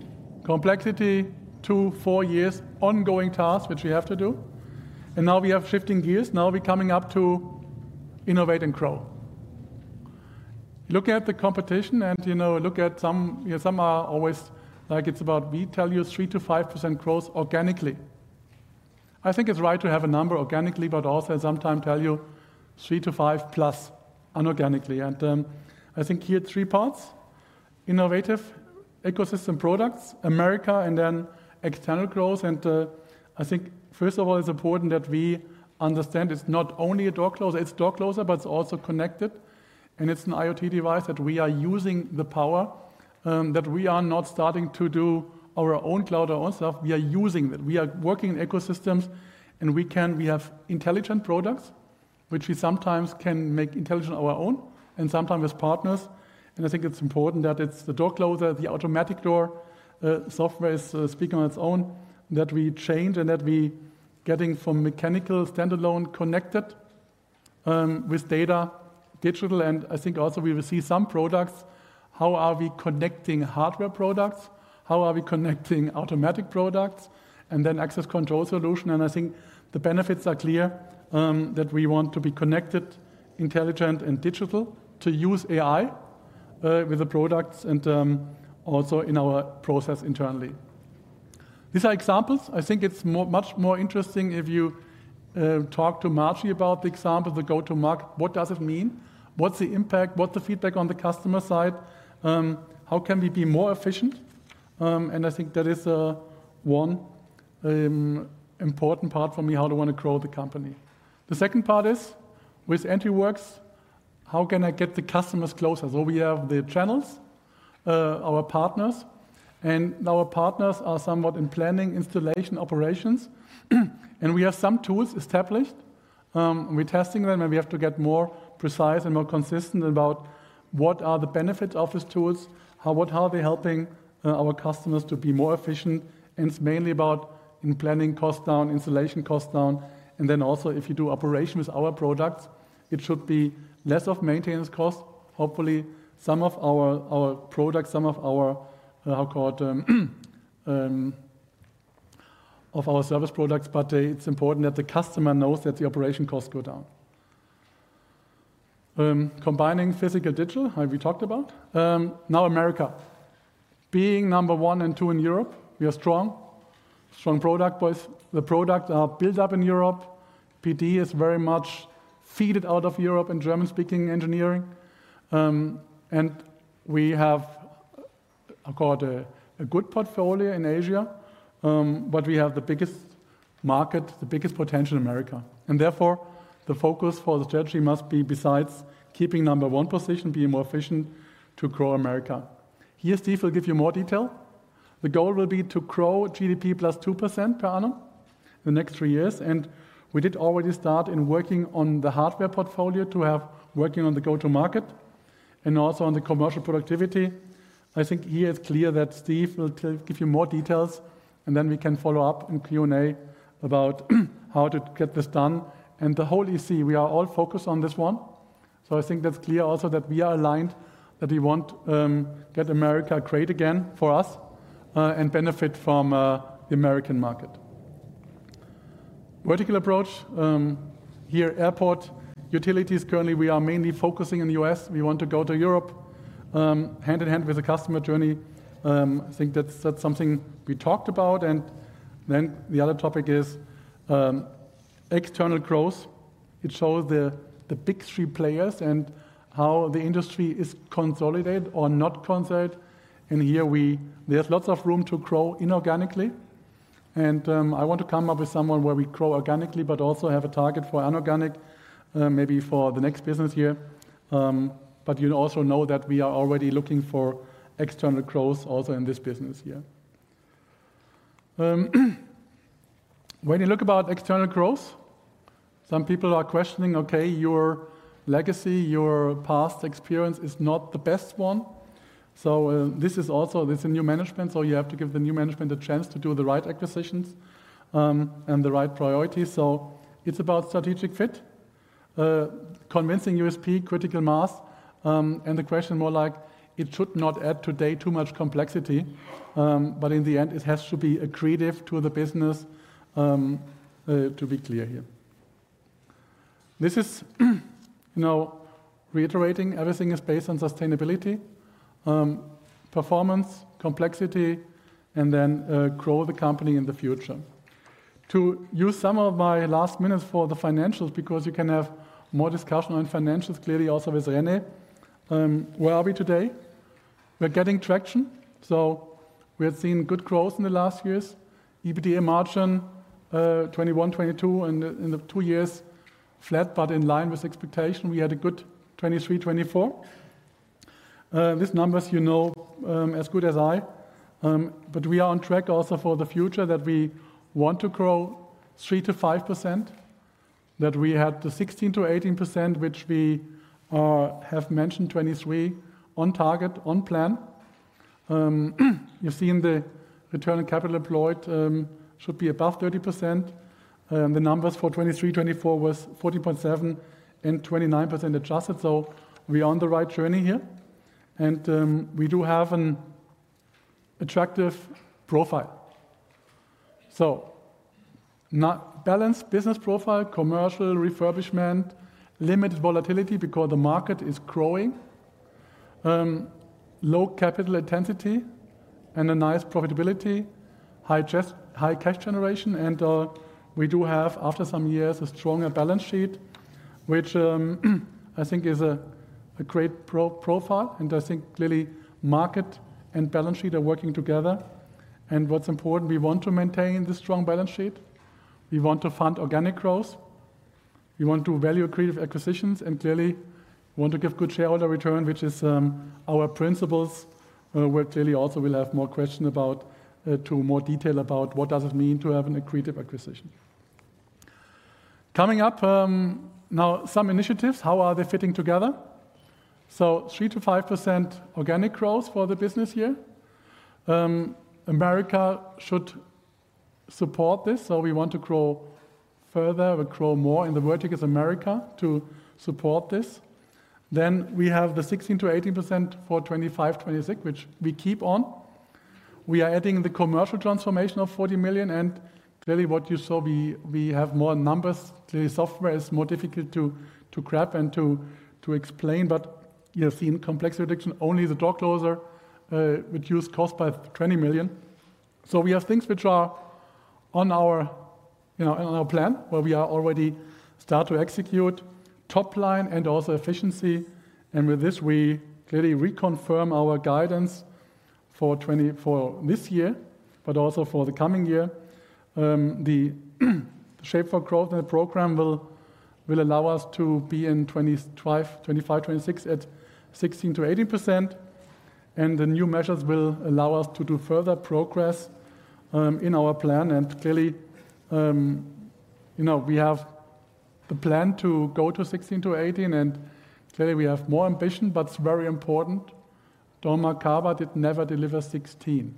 Complexity, two to four years, ongoing tasks which we have to do. And now we have shifting gears. Now we're coming up to innovate and grow. Look at the competition, and look at some are always like it's about we tell you 3-5% growth organically. I think it's right to have a number organically, but also sometimes tell you 3-5 plus inorganically. I think here three parts, innovative ecosystem products, America, and then external growth. I think first of all, it's important that we understand it's not only a door closer. It's door closer, but it's also connected. And it's an IoT device that we are using the power that we are not starting to do our own cloud ourselves. We are using that. We are working in ecosystems, and we have intelligent products, which we sometimes can make intelligent our own and sometimes with partners. And I think it's important that it's the door closer, the automatic door software is speaking on its own, that we change and that we're getting from mechanical standalone connected with data digital. And I think also we will see some products, how are we connecting hardware products, how are we connecting automatic products, and then access control solution. And I think the benefits are clear that we want to be connected, intelligent, and digital to use AI with the products and also in our process internally. These are examples. I think it's much more interesting if you talk to Marc about the example, the go-to-market, what does it mean? What's the impact? What's the feedback on the customer side? How can we be more efficient? And I think that is one important part for me, how do I want to grow the company? The second part is with EntriWorX, how can I get the customers closer? So we have the channels, our partners. And our partners are somewhat in planning, installation, operations. And we have some tools established. We're testing them, and we have to get more precise and more consistent about what are the benefits of these tools, how are they helping our customers to be more efficient. And it's mainly about in planning cost down, installation cost down. And then also if you do operation with our products, it should be less of maintenance cost. Hopefully, some of our products, some of our, how I call it, of our service products, but it's important that the customer knows that the operation costs go down. Combining physical digital, have we talked about? Now America. Being number one and two in Europe, we are strong. Strong product base. The products are built up in Europe. PD is very much fed out of Europe and German-speaking engineering. And we have, I call it, a good portfolio in Asia, but we have the biggest market, the biggest potential in America. And therefore, the focus for the strategy must be besides keeping number one position, being more efficient to grow America. Here, Steve will give you more detail. The goal will be to grow GDP plus 2% per annum in the next three years. And we did already start in working on the hardware portfolio to have working on the go-to-market and also on the commercial productivity. I think here it's clear that Steve will give you more details, and then we can follow up in Q&A about how to get this done. And the whole EC, we are all focused on this one. So I think that's clear also that we are aligned, that we want to get America great again for us and benefit from the American market. Vertical approach. Here, airport, utilities, currently we are mainly focusing in the U.S. We want to go to Europe hand in hand with the customer journey. I think that's something we talked about. And then the other topic is external growth. It shows the big three players and how the industry is consolidated or not consolidated. And here there's lots of room to grow inorganically. And I want to come up with someone where we grow organically, but also have a target for inorganic, maybe for the next business year. But you also know that we are already looking for external growth also in this business year. When you look about external growth, some people are questioning, okay, your legacy, your past experience is not the best one. So this is also a new management, so you have to give the new management a chance to do the right acquisitions and the right priorities. So it's about strategic fit, convincing USP, critical mass, and the question more like it should not add today too much complexity, but in the end, it has to be accretive to the business, to be clear here. This is reiterating, everything is based on sustainability, performance, complexity, and then grow the company in the future. To use some of my last minutes for the financials, because you can have more discussion on financials clearly also with René, where are we today? We're getting traction. So we've seen good growth in the last years. EBITDA margin 2021, 2022, and in the two years flat, but in line with expectation, we had a good 2023, 2024. These numbers, you know as good as I, but we are on track also for the future that we want to grow 3%-5%, that we had the 16%-18%, which we have mentioned 2023 on target, on plan. You've seen the return on capital employed should be above 30%. The numbers for 2023, 2024 was 14.7% and 29% adjusted. So we are on the right journey here. And we do have an attractive profile. So balanced business profile, commercial refurbishment, limited volatility because the market is growing, low capital intensity, and a nice profitability, high cash generation. And we do have, after some years, a stronger balance sheet, which I think is a great profile. And I think clearly market and balance sheet are working together. And what's important, we want to maintain this strong balance sheet. We want to fund organic growth. We want to value accretive acquisitions. And clearly, we want to give good shareholder return, which is our principles. We're clearly also will have more questions about, to more detail about what does it mean to have an accretive acquisition. Coming up now, some initiatives, how are they fitting together? So, 3%-5% organic growth for the business year. America should support this. So we want to grow further, grow more in the verticals America to support this. Then we have the 16%-18% for 2025, 2026, which we keep on. We are adding the commercial transformation of 40 million. And clearly what you saw, we have more numbers. Clearly software is more difficult to grab and to explain, but you've seen complexity reduction. Only the door closer reduced cost by 20 million. So we have things which are on our plan where we are already start to execute top line and also efficiency. And with this, we clearly reconfirm our guidance for this year, but also for the coming year. The Shape4Growth program will allow us to be in 2025, 2026 at 16%-18%. And the new measures will allow us to do further progress in our plan. And clearly, we have the plan to go to 16%-18%. And clearly we have more ambition, but it's very important. Dormakaba did never deliver 16.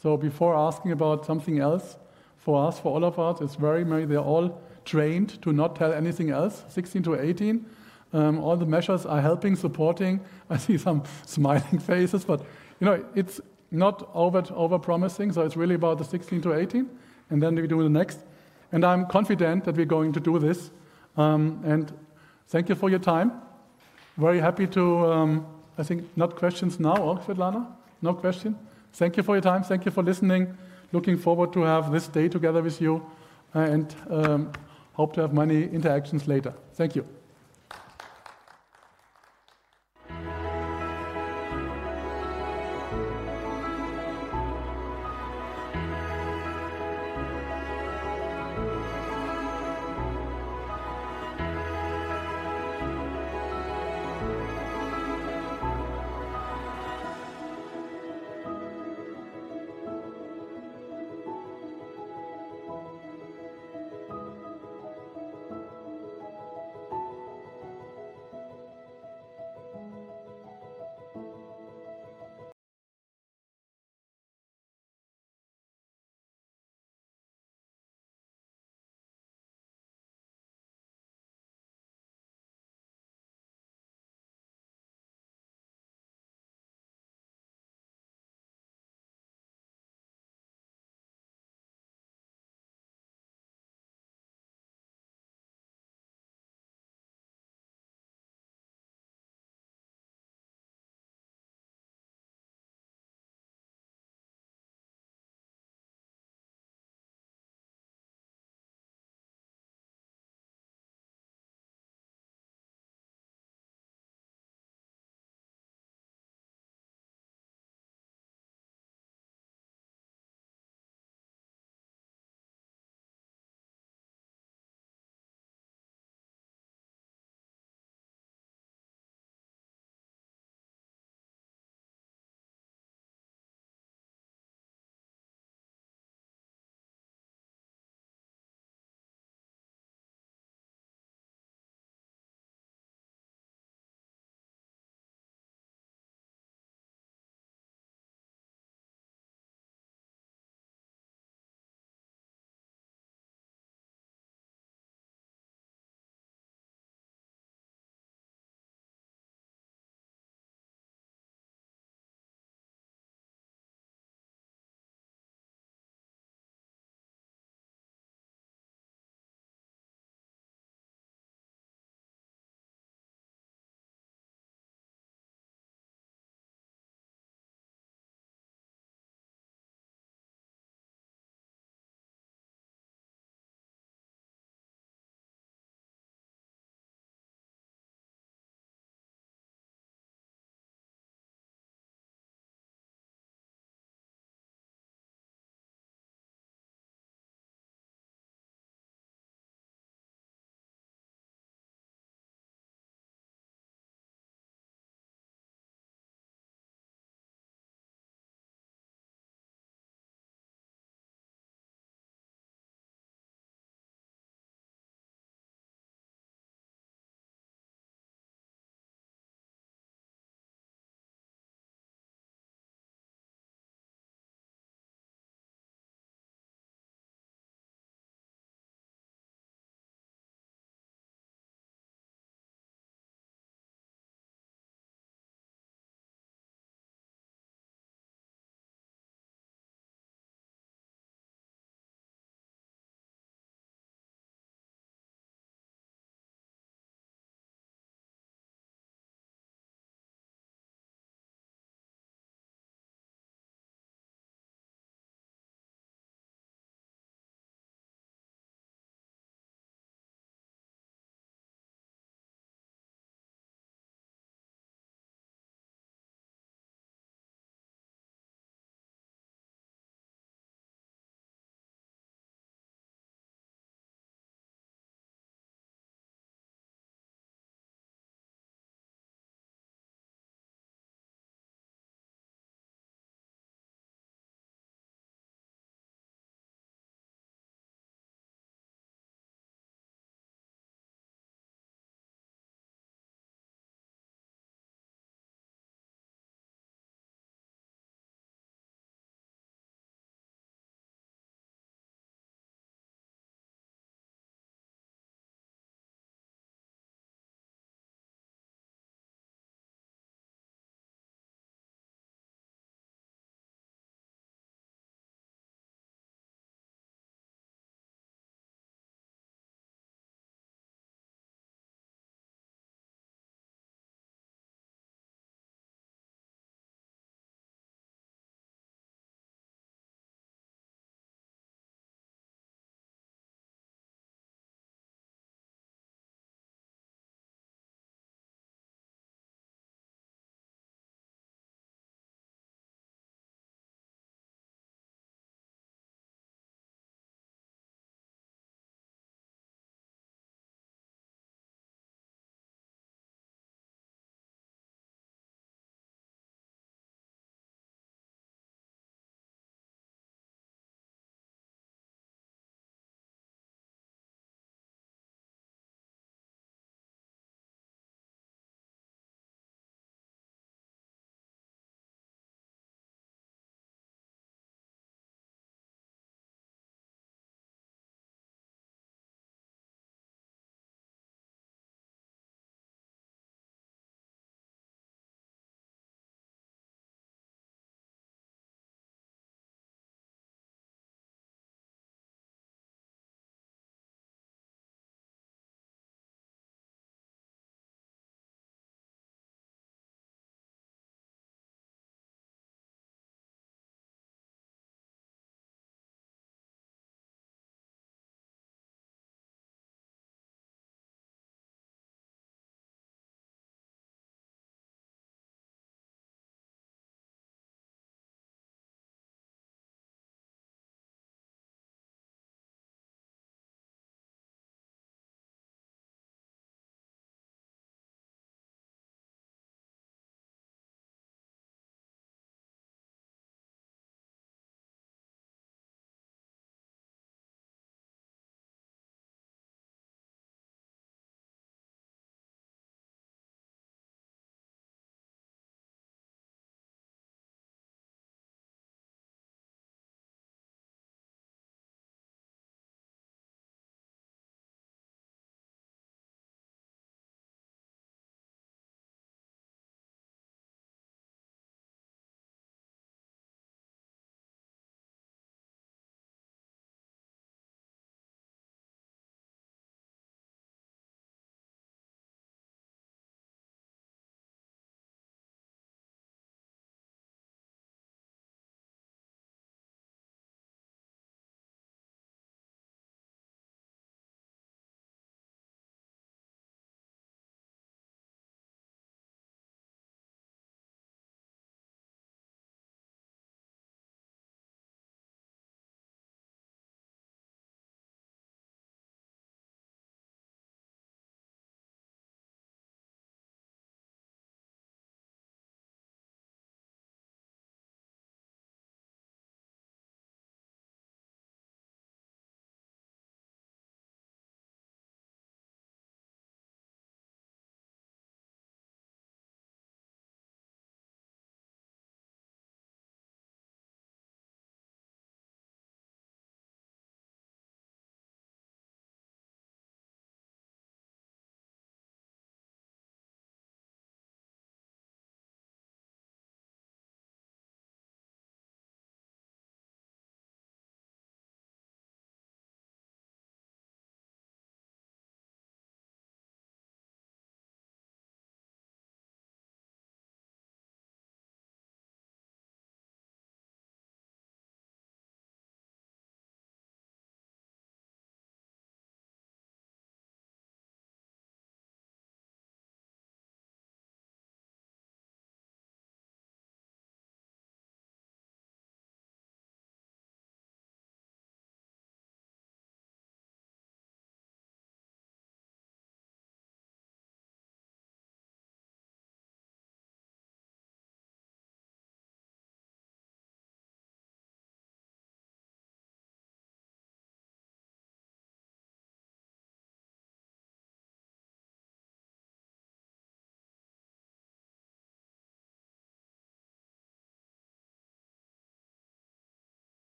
So before asking about something else for us, for all of us, it's very much, they're all trained to not tell anything else, 16%-18%. All the measures are helping, supporting. I see some smiling faces, but it's not overpromising. It's really about the 16 to 18. And then we do the next. And I'm confident that we're going to do this. And thank you for your time. Very happy to, I think, no questions now, Swetlana? No question. Thank you for your time. Thank you for listening. Looking forward to have this day together with you and hope to have many interactions later. Thank you.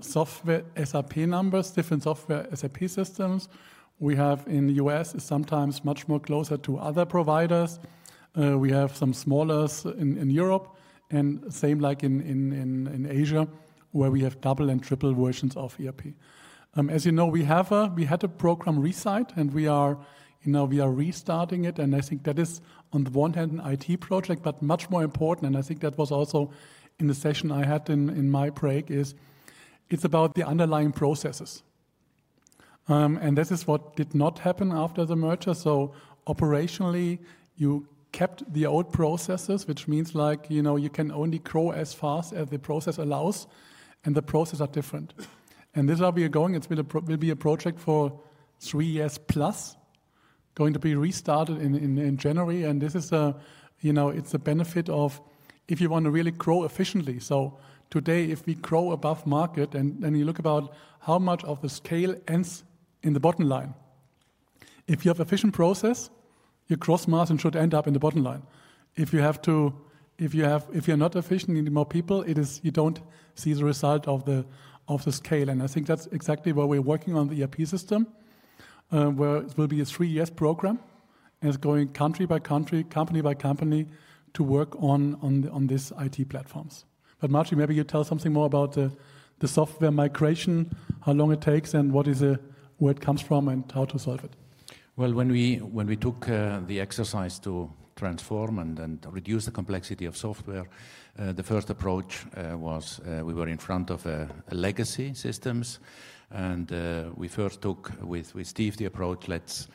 Software SAP numbers, different software SAP systems we have in the US is sometimes much more closer to other providers. We have some smaller in Europe and same like in Asia where we have double and triple versions of ERP. As you know, we had a program Reside and we are you know we are restarting it and I think that is on the one hand an IT project but much more important and I think that was also in the session I had in my break is it's about the underlying processes. And this is what did not happen after the merger so operationally you kept the old processes which means like you know you can only grow as fast as the process allows and the processes are different. And this will be a going it's will be a project for three years plus going to be restarted in January and this is a you know it's a benefit of if you want to really grow efficiently. So today, if we grow above market and then you look about how much of the scale ends in the bottom line. If you have efficient process, your gross margin should end up in the bottom line. If you're not efficient in more people, it is you don't see the result of the scale and I think that's exactly where we're working on the ERP system where it will be a three years program and it's going country by country company by company to work on this IT platforms. But Marc, maybe you tell something more about the software migration, how long it takes and what is, where it comes from and how to solve it. When we took the exercise to transform and then reduce the complexity of software, the first approach was we were in front of a legacy systems and we first took with Steve the approach, let's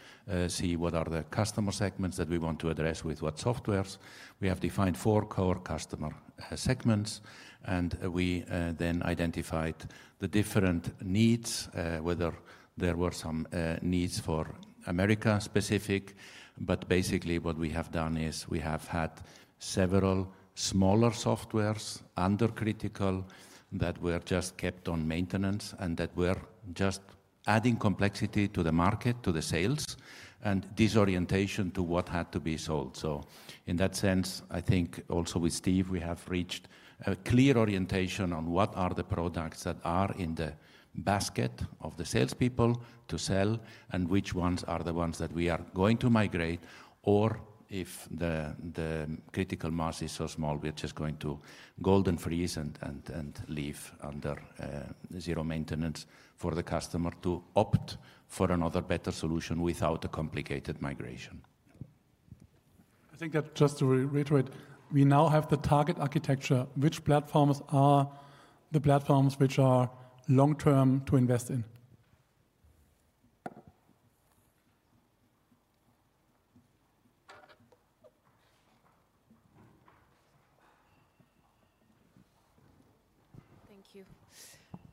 see what are the customer segments that we want to address with what softwares. We have defined four core customer segments and we then identified the different needs whether there were some needs for America specific but basically what we have done is we have had several smaller softwares under critical that were just kept on maintenance and that were just adding complexity to the market to the sales and this orientation to what had to be sold. So in that sense I think also with Steve we have reached a clear orientation on what are the products that are in the basket of the salespeople to sell and which ones are the ones that we are going to migrate or if the critical mass is so small we're just going to golden freeze and leave under zero maintenance for the customer to opt for another better solution without a complicated migration. I think that just to reiterate we now have the target architecture which platforms are the platforms which are long term to invest in.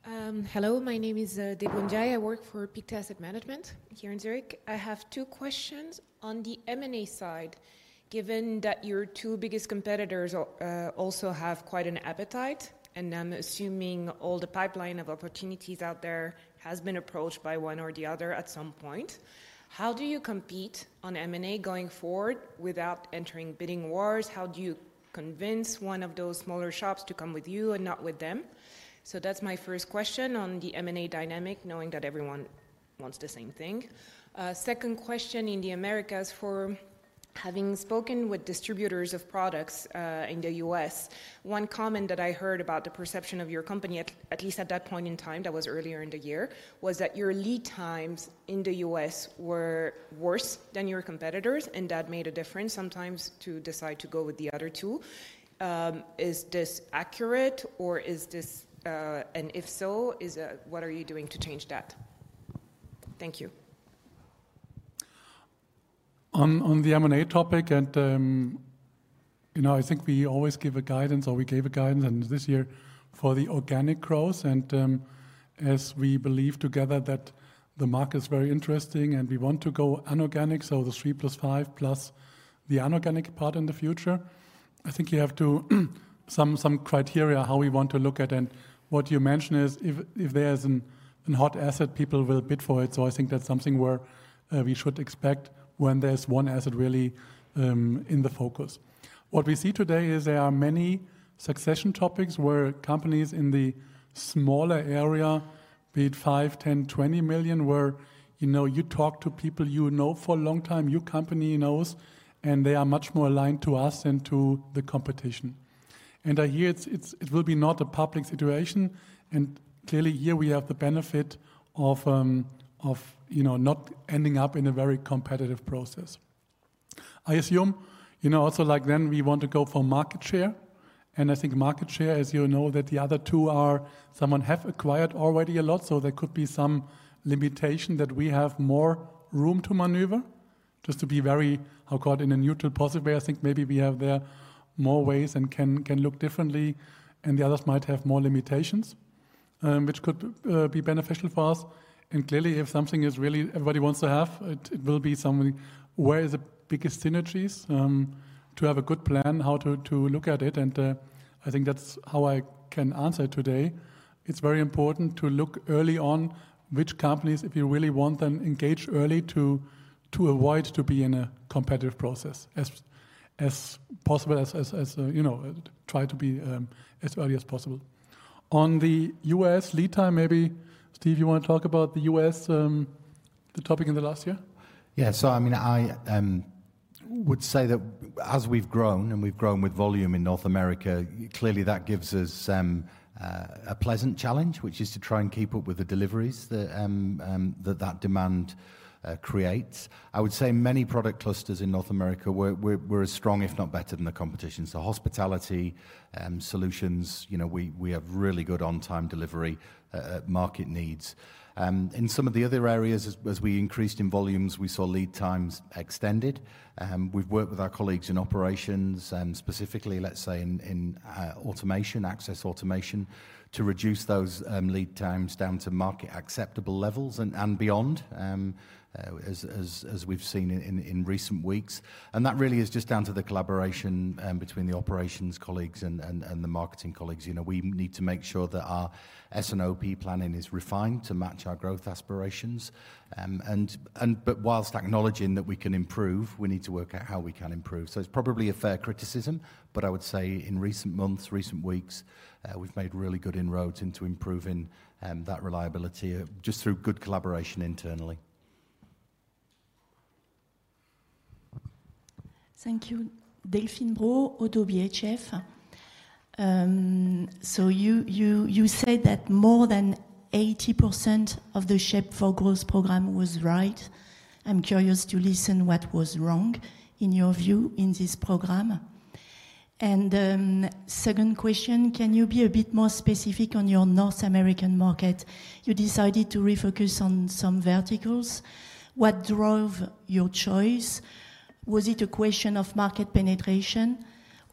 Thank you. Hello, my name is Dev Gunjay. I work for Pictet Asset Management here in Zurich. I have two questions on the M&A side, given that your two biggest competitors also have quite an appetite, and I'm assuming all the pipeline of opportunities out there has been approached by one or the other at some point. How do you compete on M&A going forward without entering bidding wars? How do you convince one of those smaller shops to come with you and not with them? So that's my first question on the M&A dynamic, knowing that everyone wants the same thing. Second question in the Americas. For having spoken with distributors of products in the US, one comment that I heard about the perception of your company, at least at that point in time that was earlier in the year, was that your lead times in the US were worse than your competitors, and that made a difference sometimes to decide to go with the other two. Is this accurate or is this, and if so, what are you doing to change that. Thank you. On the M&A topic, and you know, I think we always give a guidance or we gave a guidance and this year for the organic growth, and as we believe together that the market is very interesting and we want to go inorganic, so the three plus five plus the inorganic part in the future. I think you have to have some criteria how we want to look at, and what you mentioned is if there is a hot asset people will bid for it, so I think that's something where we should expect when there's one asset really in the focus. What we see today is there are many succession topics where companies in the smaller area bid 5 million, 10 million, 20 million where you know you talk to people you know for a long time your company knows and they are much more aligned to us and to the competition. I hear it will be not a public situation and clearly here we have the benefit of you know not ending up in a very competitive process. I assume you know also like then we want to go for market share, and I think market share as you know that the other two are someone have acquired already a lot so there could be some limitation that we have more room to maneuver just to be very vocal in a neutral positive way. I think maybe we have there more ways and can look differently and the others might have more limitations which could be beneficial for us, and clearly if something is really everybody wants to have it will be something where is the biggest synergies to have a good plan how to look at it, and I think that's how I can answer it today. It's very important to look early on which companies if you really want them engage early to avoid to be in a competitive process as possible, as you know, try to be as early as possible. On the U.S. lead time, maybe Steve, you want to talk about the U.S. the topic in the last year. Yeah, so I mean, I would say that as we've grown and we've grown with volume in North America, clearly that gives us a pleasant challenge which is to try and keep up with the deliveries that demand creates. I would say many product clusters in North America were as strong if not better than the competition, so hospitality solutions, you know, we have really good on-time delivery market needs. In some of the other areas as we increased in volumes we saw lead times extended and we've worked with our colleagues in operations and specifically let's say in automation access automation to reduce those lead times down to market acceptable levels and beyond as we've seen in recent weeks and that really is just down to the collaboration between the operations colleagues and the marketing colleagues you know we need to make sure that our S&OP planning is refined to match our growth aspirations and but whilst acknowledging that we can improve we need to work out how we can improve so it's probably a fair criticism but I would say in recent months recent weeks we've made really good inroads into improving that reliability just through good collaboration internally. Thank you, Delphine Brault, Oddo BHF. You said that more than 80% of the Shape4Growth program was right. I'm curious to learn what was wrong in your view in this program. And second question, can you be a bit more specific on your North American market? You decided to refocus on some verticals. What drove your choice? Was it a question of market penetration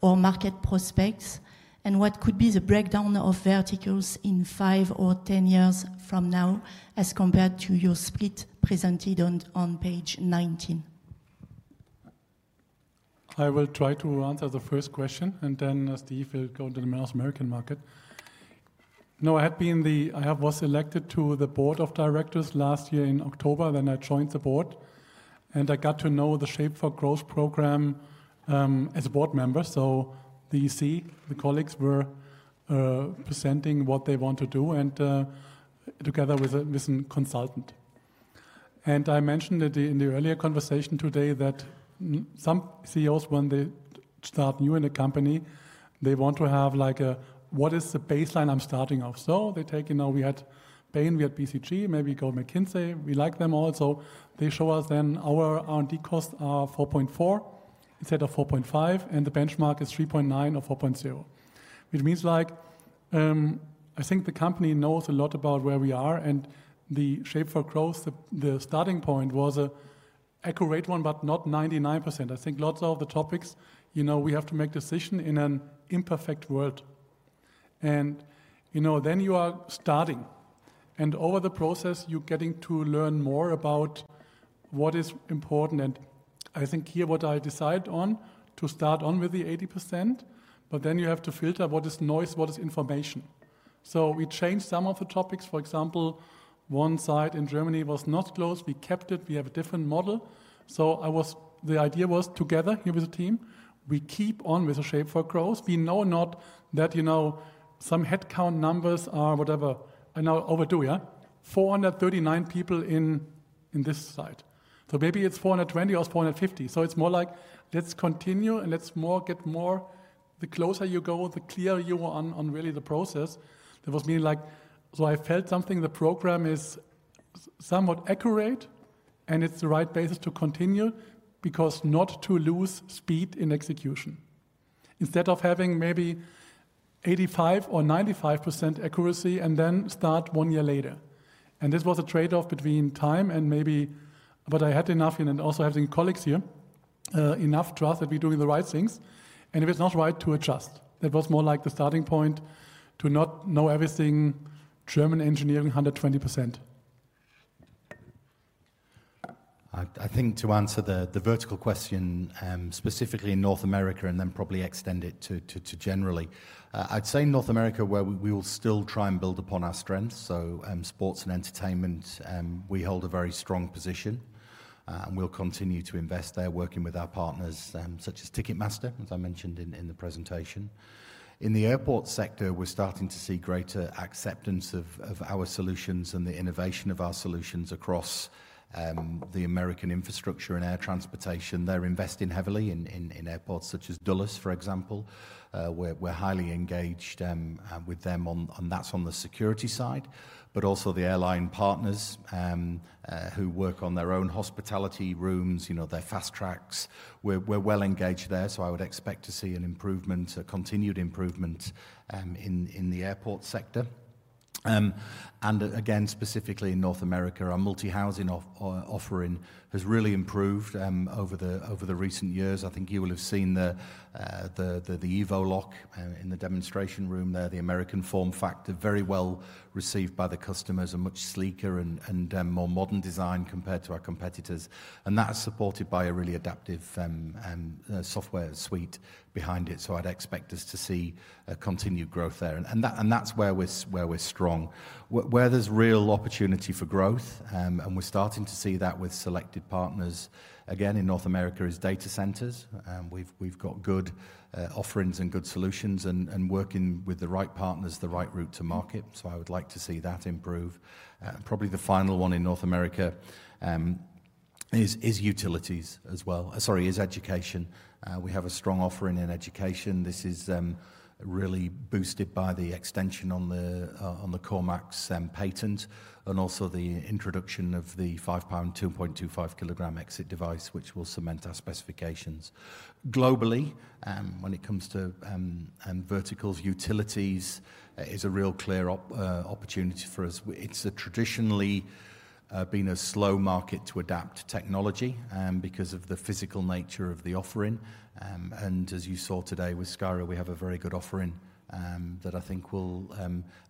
or market prospects and what could be the breakdown of verticals in five or 10 years from now as compared to your split presented on page 19? I will try to answer the first question and then Steve will go to the North American market. No, I was elected to the board of directors last year in October. Then I joined the board and I got to know the Shape4Growth program as a board member, so the colleagues were presenting what they want to do and together with a consultant. I mentioned that in the earlier conversation today that some CEOs when they start new in a company they want to have like a what is the baseline I'm starting off so they take you know we had Bain we had BCG maybe go McKinsey we like them also they show us then our R&D costs are 4.4 instead of 4.5 and the benchmark is 3.9 or 4.0 which means like I think the company knows a lot about where we are and the Shape4Growth the starting point was a accurate one but not 99%. I think lots of the topics, you know, we have to make decision in an imperfect world, and you know, then you are starting and over the process you're getting to learn more about what is important, and I think here what I decide on to start on with the 80%, but then you have to filter what is noise, what is information. We change some of the topics. For example, one site in Germany was not closed. We kept it. We have a different model. So the idea was together here with the team. We keep on with Shape4Growth. We know not that, you know, some headcount numbers are whatever. Now over 400, yeah, 439 people in this site. So maybe it's 420 or 450. So it's more like let's continue and let's get more. The closer you go, the clearer you are on really the process. There was, like, so I felt something. The program is somewhat accurate, and it's the right basis to continue because not to lose speed in execution instead of having maybe 85% or 95% accuracy and then start one year later. And this was a trade-off between time and accuracy, but I had enough input and also having colleagues here enough trust that we're doing the right things and if it's not right to adjust. That was more like the starting point to not know everything. German engineering 120%. I think to answer the vertical question specifically in North America and then probably extend it to generally. I'd say North America where we will still try and build upon our strengths so sports and entertainment we hold a very strong position and we'll continue to invest there working with our partners such as Ticketmaster as I mentioned in the presentation. In the airport sector we're starting to see greater acceptance of our solutions and the innovation of our solutions across the American infrastructure and air transportation they're investing heavily in airports such as Dulles for example we're highly engaged with them on and that's on the security side but also the airline partners who work on their own hospitality rooms you know their fast tracks we're well engaged there so I would expect to see an improvement a continued improvement in the airport sector and again specifically in North America our multi-housing offering has really improved over the recent years I think you will have seen the Evo Lock in the demonstration room there the American form factor very well received by the customers a much sleeker and more modern design compared to our competitors and that's supported by a really adaptive software suite behind it so I'd expect us to see a continued growth there and that's where we're strong where there's real opportunity for growth and we're starting to see that with selected partners again in North America is data centers and we've got good offerings and good solutions and working with the right partners the right route to market so I would like to see that improve and probably the final one. In North America is utilities as well sorry is education we have a strong offering in education this is really boosted by the extension on the CORMAX patent and also the introduction of the five pound 2.25 kilogram exit device which will cement our specifications globally and when it comes to verticals utilities is a real clear opportunity for us it's traditionally been a slow market to adapt technology because of the physical nature of the offering and as you saw today with Skyra. We have a very good offering that I think will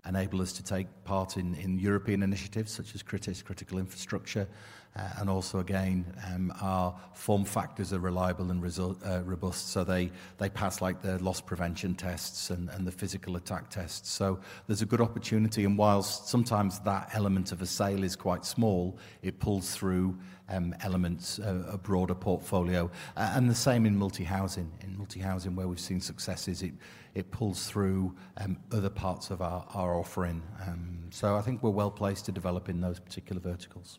enable us to take part in European initiatives such as critical infrastructure and also again our form factors are reliable and robust so they pass like the loss prevention tests and the physical attack tests so there's a good opportunity and whilst sometimes that element of a sale is quite small it pulls through elements a broader portfolio and the same in multi-housing where we've seen successes it pulls through other parts of our offering so I think we're well placed to develop in those particular verticals.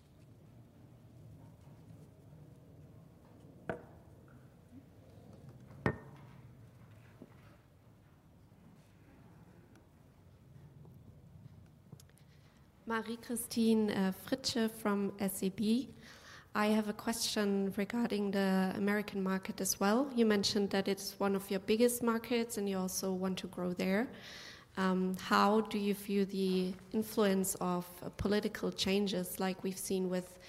Marie-Christine Fritsche from SAB: I have a question regarding the American market as well. You mentioned that it's one of your biggest markets and you also want to grow there. How do you view the influence of political changes like we've seen with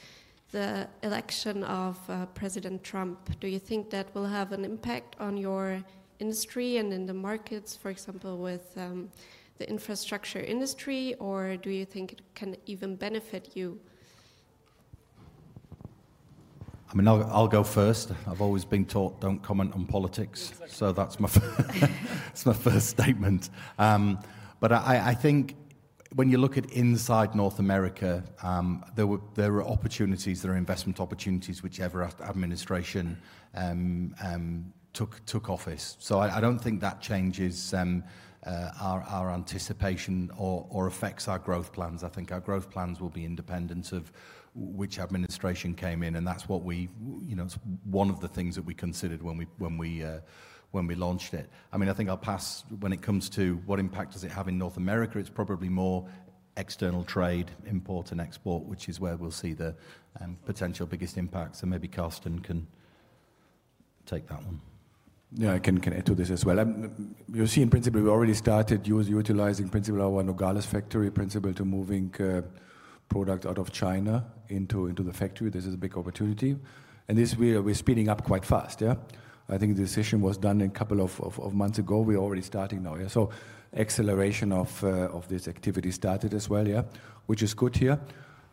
the election of President Trump? Do you think that will have an impact on your industry and in the markets, for example with the infrastructure industry, or do you think it can even benefit you? I mean, I'll go first. I've always been taught don't comment on politics, so that's my first statement, but I think when you look at inside North America there are opportunities, there are investment opportunities whichever administration took office, so I don't think that changes our anticipation or affects our growth plans. I think our growth plans will be independent of which administration came in, and that's what we, you know, it's one of the things that we considered when we launched it. I mean, I think I'll pass when it comes to what impact does it have in North America. It's probably more external trade, import and export, which is where we'll see the potential biggest impacts, and maybe Carsten can take that one. Yeah, I can connect to this as well. You see, in principle, we already started by utilizing principally our Nogales factory principally to move product out of China into the factory. This is a big opportunity, and this we are speeding up quite fast. Yeah, I think the decision was done in a couple of months ago. We're already starting now. Yeah, so acceleration of this activity started as well. Yeah, which is good. Here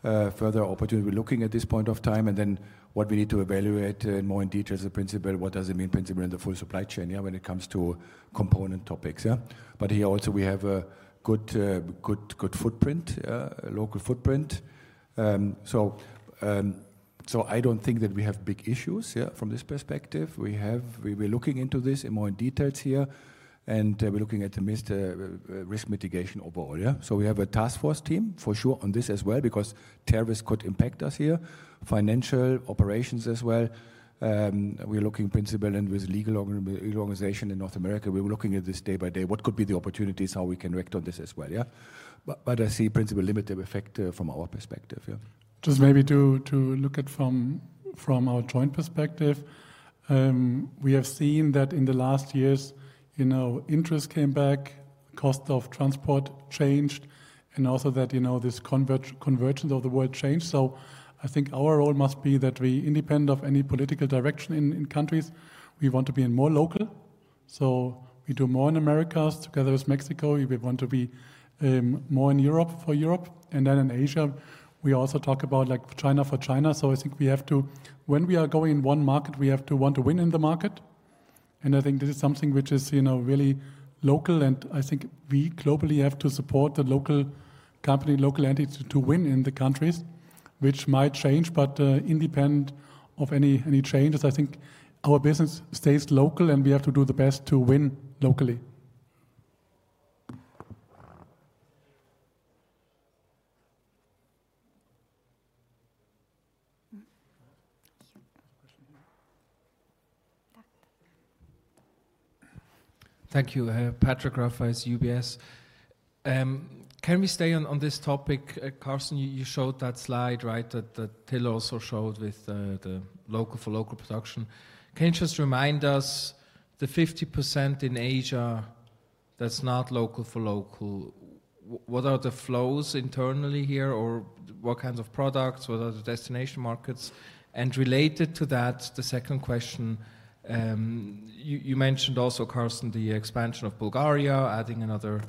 further opportunity we're looking at this point of time, and then what we need to evaluate in more detail is the principle: what does it mean principally in the full supply chain, yeah, when it comes to component topics. Yeah, but here also we have a good local footprint, so I don't think that we have big issues, yeah, from this perspective. We have, we're looking into this in more details here, and we're looking at the risk mitigation overall. Yeah, so we have a task force team for sure on this as well because tariffs could impact our financial operations as well. We're looking principally and with legal organization in North America. We're looking at this day by day: what could be the opportunities, how we can react on this as well. Yeah, but I see principally limited effect from our perspective, yeah. Just maybe to look at from our joint perspective, we have seen that in the last years, you know, interest came back, cost of transport changed, and also that, you know, this convergence of the world changed, so I think our role must be that we, independent of any political direction in countries, we want to be more local, so we do more in America together with Mexico, we want to be more in Europe for Europe, and then in Asia we also talk about like China for China, so I think we have to, when we are going in one market, we have to want to win in the market, and I think this is something which is, you know, really local, and I think we globally have to support the local company local entity to win in the countries which might change, but independent of any changes, I think our business stays local and we have to do the best to win locally. Thank you, Patrick Rafaisz, UBS. Can we stay on this topic? Carsten, you showed that slide, right, that Till also showed with the local for local production. Can you just remind us the 50% in Asia? That's not local for local. What are the flows internally here or what kinds of products? What are the destination markets? And related to that, the second question: you mentioned also, Carsten, the expansion of Bulgaria, adding another,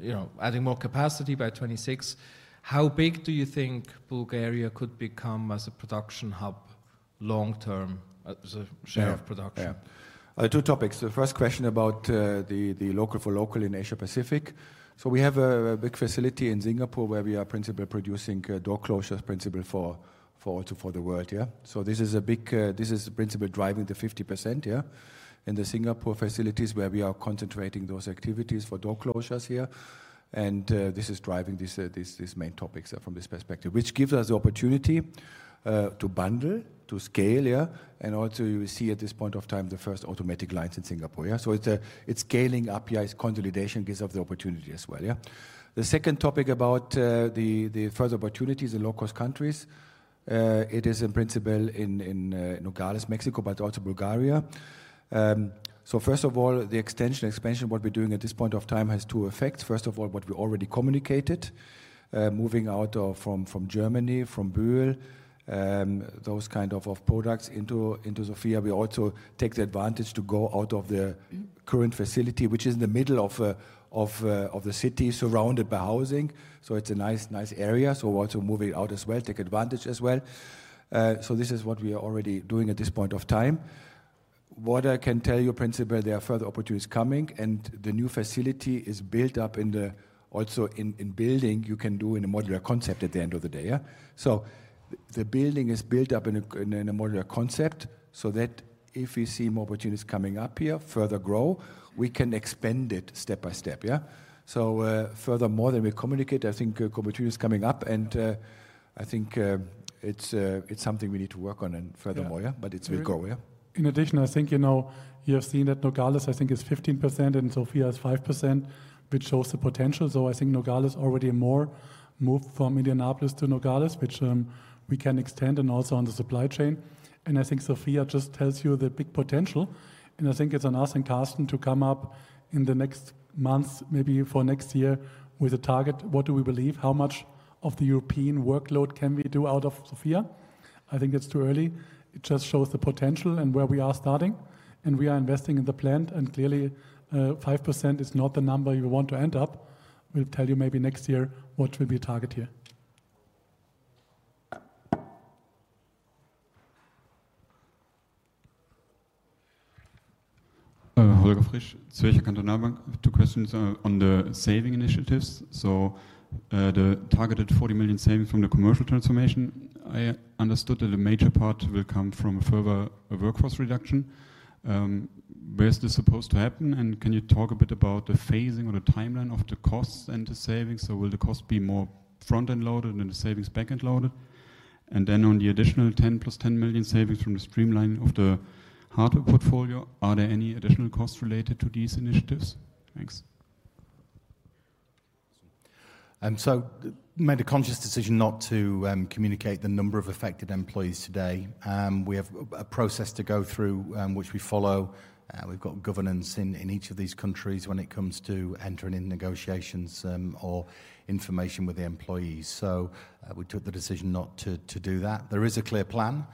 you know, adding more capacity by 26. How big do you think Bulgaria could become as a production hub long term as a share of production? Yeah, two topics. The first question about the local for local in Asia Pacific. So we have a big facility in Singapore where we are principally producing door closures principally for also for the world. Yeah, so this is a big; this is principally driving the 50%. Yeah, in the Singapore facilities where we are concentrating those activities for door closures here and this is driving this main topics from this perspective which gives us the opportunity to bundle to scale. Yeah, and also you will see at this point of time the first automatic lines in Singapore. Yeah, so it's a it's scaling up. Yeah, it's consolidation gives us the opportunity as well. Yeah, the second topic about the further opportunities in low-cost countries. It is in principle in Nogales, Mexico but also Bulgaria. So first of all, the extension expansion what we're doing at this point of time has two effects. First of all, what we already communicated, moving out of from Germany from Bühl those kind of products into Sofia. We also take the advantage to go out of the current facility which is in the middle of the city surrounded by housing. So it's a nice area. So we're also moving out as well, take advantage as well. So this is what we are already doing at this point of time. What I can tell you, principally, there are further opportunities coming and the new facility is built up in the, also in building you can do in a modular concept at the end of the day. Yeah, so the building is built up in a modular concept so that if we see more opportunities coming up here further grow we can expand it step by step. Yeah, so furthermore than we communicate I think opportunities coming up and I think it's something we need to work on and furthermore. Yeah, but it's we go. Yeah, in addition I think you know you have seen that Nogales I think is 15% and Sofia is 5% which shows the potential. So I think Nogales already more moved from Indianapolis to Nogales which we can extend and also on the supply chain and I think Sofia just tells you the big potential and I think it's asking Carsten to come up in the next months maybe for next year with a target what do we believe how much of the European workload can we do out of Sofia. I think it's too early. It just shows the potential and where we are starting and we are investing in the plant and clearly 5% is not the number you want to end up. We'll tell you maybe next year what the target will be here. Holger Fritsche, Zürcher Kantonalbank, two questions on the saving initiatives. So the targeted 40 million saving from the commercial transformation. I understood that a major part will come from a further workforce reduction. Where's this supposed to happen and can you talk a bit about the phasing or the timeline of the costs and the savings? So will the cost be more front end loaded and the savings back end loaded? And then on the additional 10 plus 10 million savings from the streamlining of the hardware portfolio, are there any additional costs related to these initiatives? Thanks. So made a conscious decision not to communicate the number of affected employees today. We have a process to go through which we follow. We've got governance in in each of these countries when it comes to entering in negotiations or information with the employees. So we took the decision not to to do that. There is a clear plan.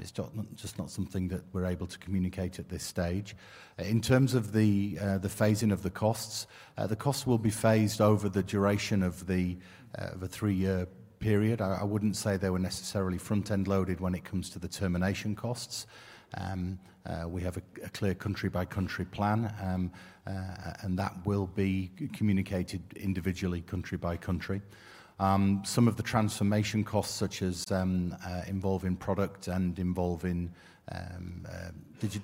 It's just not something that we're able to communicate at this stage. In terms of the the phasing of the costs, the costs will be phased over the duration of the of a 3-year period. I wouldn't say they were necessarily front end loaded when it comes to the termination costs. We have a clear country by country plan and that will be communicated individually country by country. Some of the transformation costs such as involving product and involving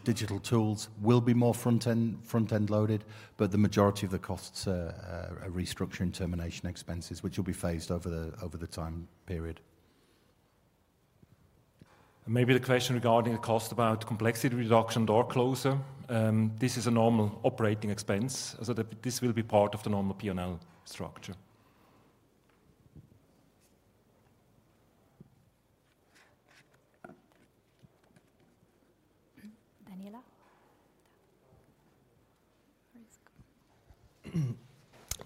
digital tools will be more front end front end loaded but the majority of the costs are restructuring termination expenses which will be phased over the over the time period. Maybe the question regarding the cost about complexity reduction door closer. This is a normal operating expense so that this will be part of the normal P&L structure.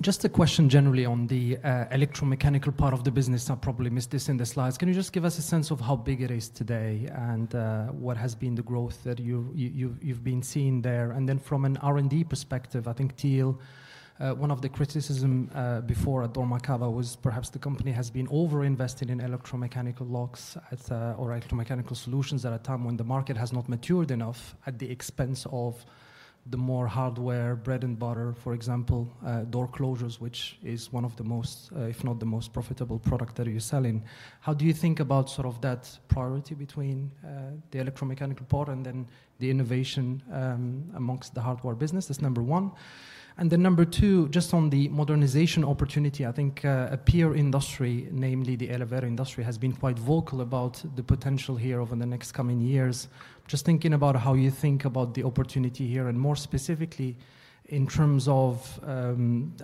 Just a question generally on the electromechanical part of the business. I probably missed this in the slides. Can you just give us a sense of how big it is today and what has been the growth that you you've you've been seeing there? And then from an R&D perspective, I think Till one of the criticisms before at Dormakaba was perhaps the company has been overinvested in electromechanical locks at or electromechanical solutions at a time when the market has not matured enough at the expense of the more hardware bread and butter for example door closures which is one of the most if not the most profitable product that you're selling. How do you think about sort of that priority between the electromechanical part and then the innovation amongst the hardware business? That's number one. And then number two just on the modernization opportunity. I think a peer industry namely the elevator industry has been quite vocal about the potential here over the next coming years just thinking about how you think about the opportunity here and more specifically in terms of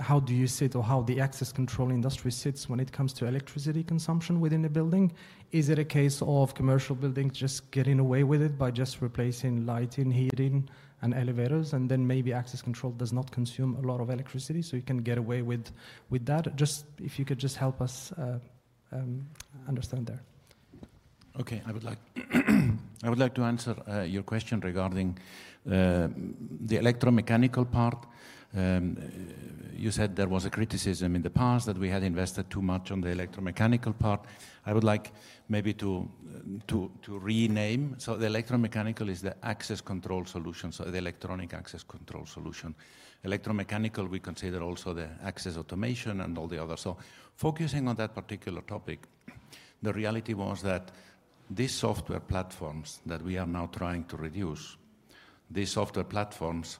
how do you sit or how the access control industry sits when it comes to electricity consumption within a building. Is it a case of commercial building just getting away with it by just replacing lighting heating and elevators and then maybe access control does not consume a lot of electricity so you can get away with with that? Just if you could just help us understand there. Okay. I would like I would like to answer your question regarding the electromechanical part. You said there was a criticism in the past that we had invested too much on the electromechanical part. I would like maybe to to to rename so the electromechanical is the access control solution so the electronic access control solution electromechanical we consider also the access automation and all the other so focusing on that particular topic the reality was that this software platforms that we are now trying to reduce these software platforms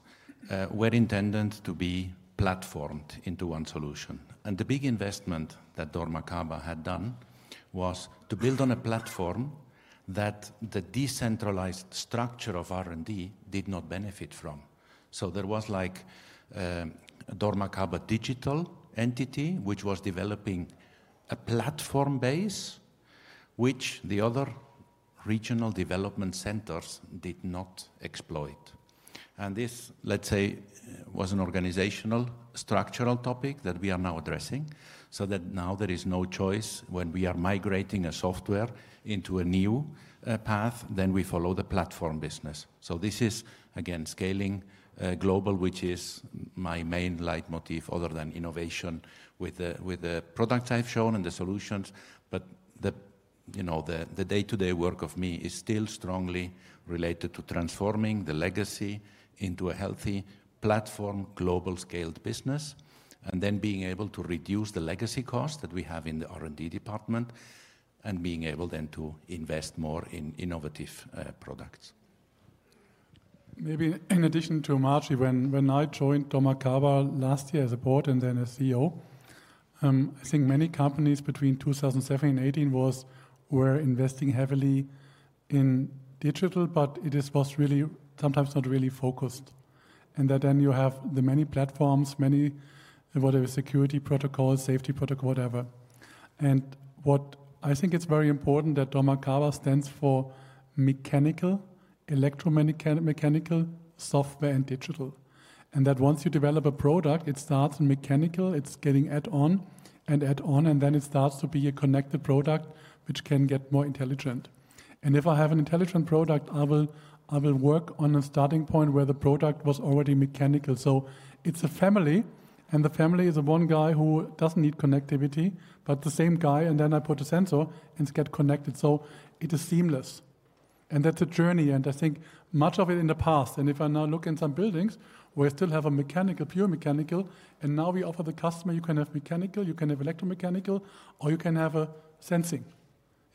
were intended to be platformed into one solution and the big investment that Dormakaba had done was to build on a platform that the decentralized structure of R&D did not benefit from so there was like Dormakaba digital entity which was developing a platform base which the other regional development centers did not exploit and this let's say was an organizational structural topic that we are now addressing so that now there is no choice when we are migrating a software into a new path then we follow the platform business so this is again scaling global which is my main leitmotif other than innovation with the with the products I've shown and the solutions but the you know the the day-to-day work of me is still strongly related to transforming the legacy into a healthy platform global scaled business and then being able to reduce the legacy cost that we have in the R&D department and being able then to invest more in innovative products maybe in addition to Marc when when I joined Dormakaba last year as a board and then as CEO I think many companies between 2007 and 18 was were investing heavily in digital but it is was really sometimes not really focused and that then you have the many platforms many whatever security protocol safety protocol whatever and what I think it's very important that Dormakaba stands for mechanical electromechanical software and digital and that once you develop a product it starts in mechanical it's getting add-on and add-on and then it starts to be a connected product which can get more intelligent and if I have an intelligent product I will I will work on a starting point where the product was already mechanical so it's a family and the family is a one guy who doesn't need connectivity but the same guy and then I put a sensor and get connected so it is seamless and that's a journey and I think much of it in the past and if I now look in some buildings where I still have a mechanical pure mechanical and now we offer the customer you can have mechanical you can have electromechanical or you can have a sensing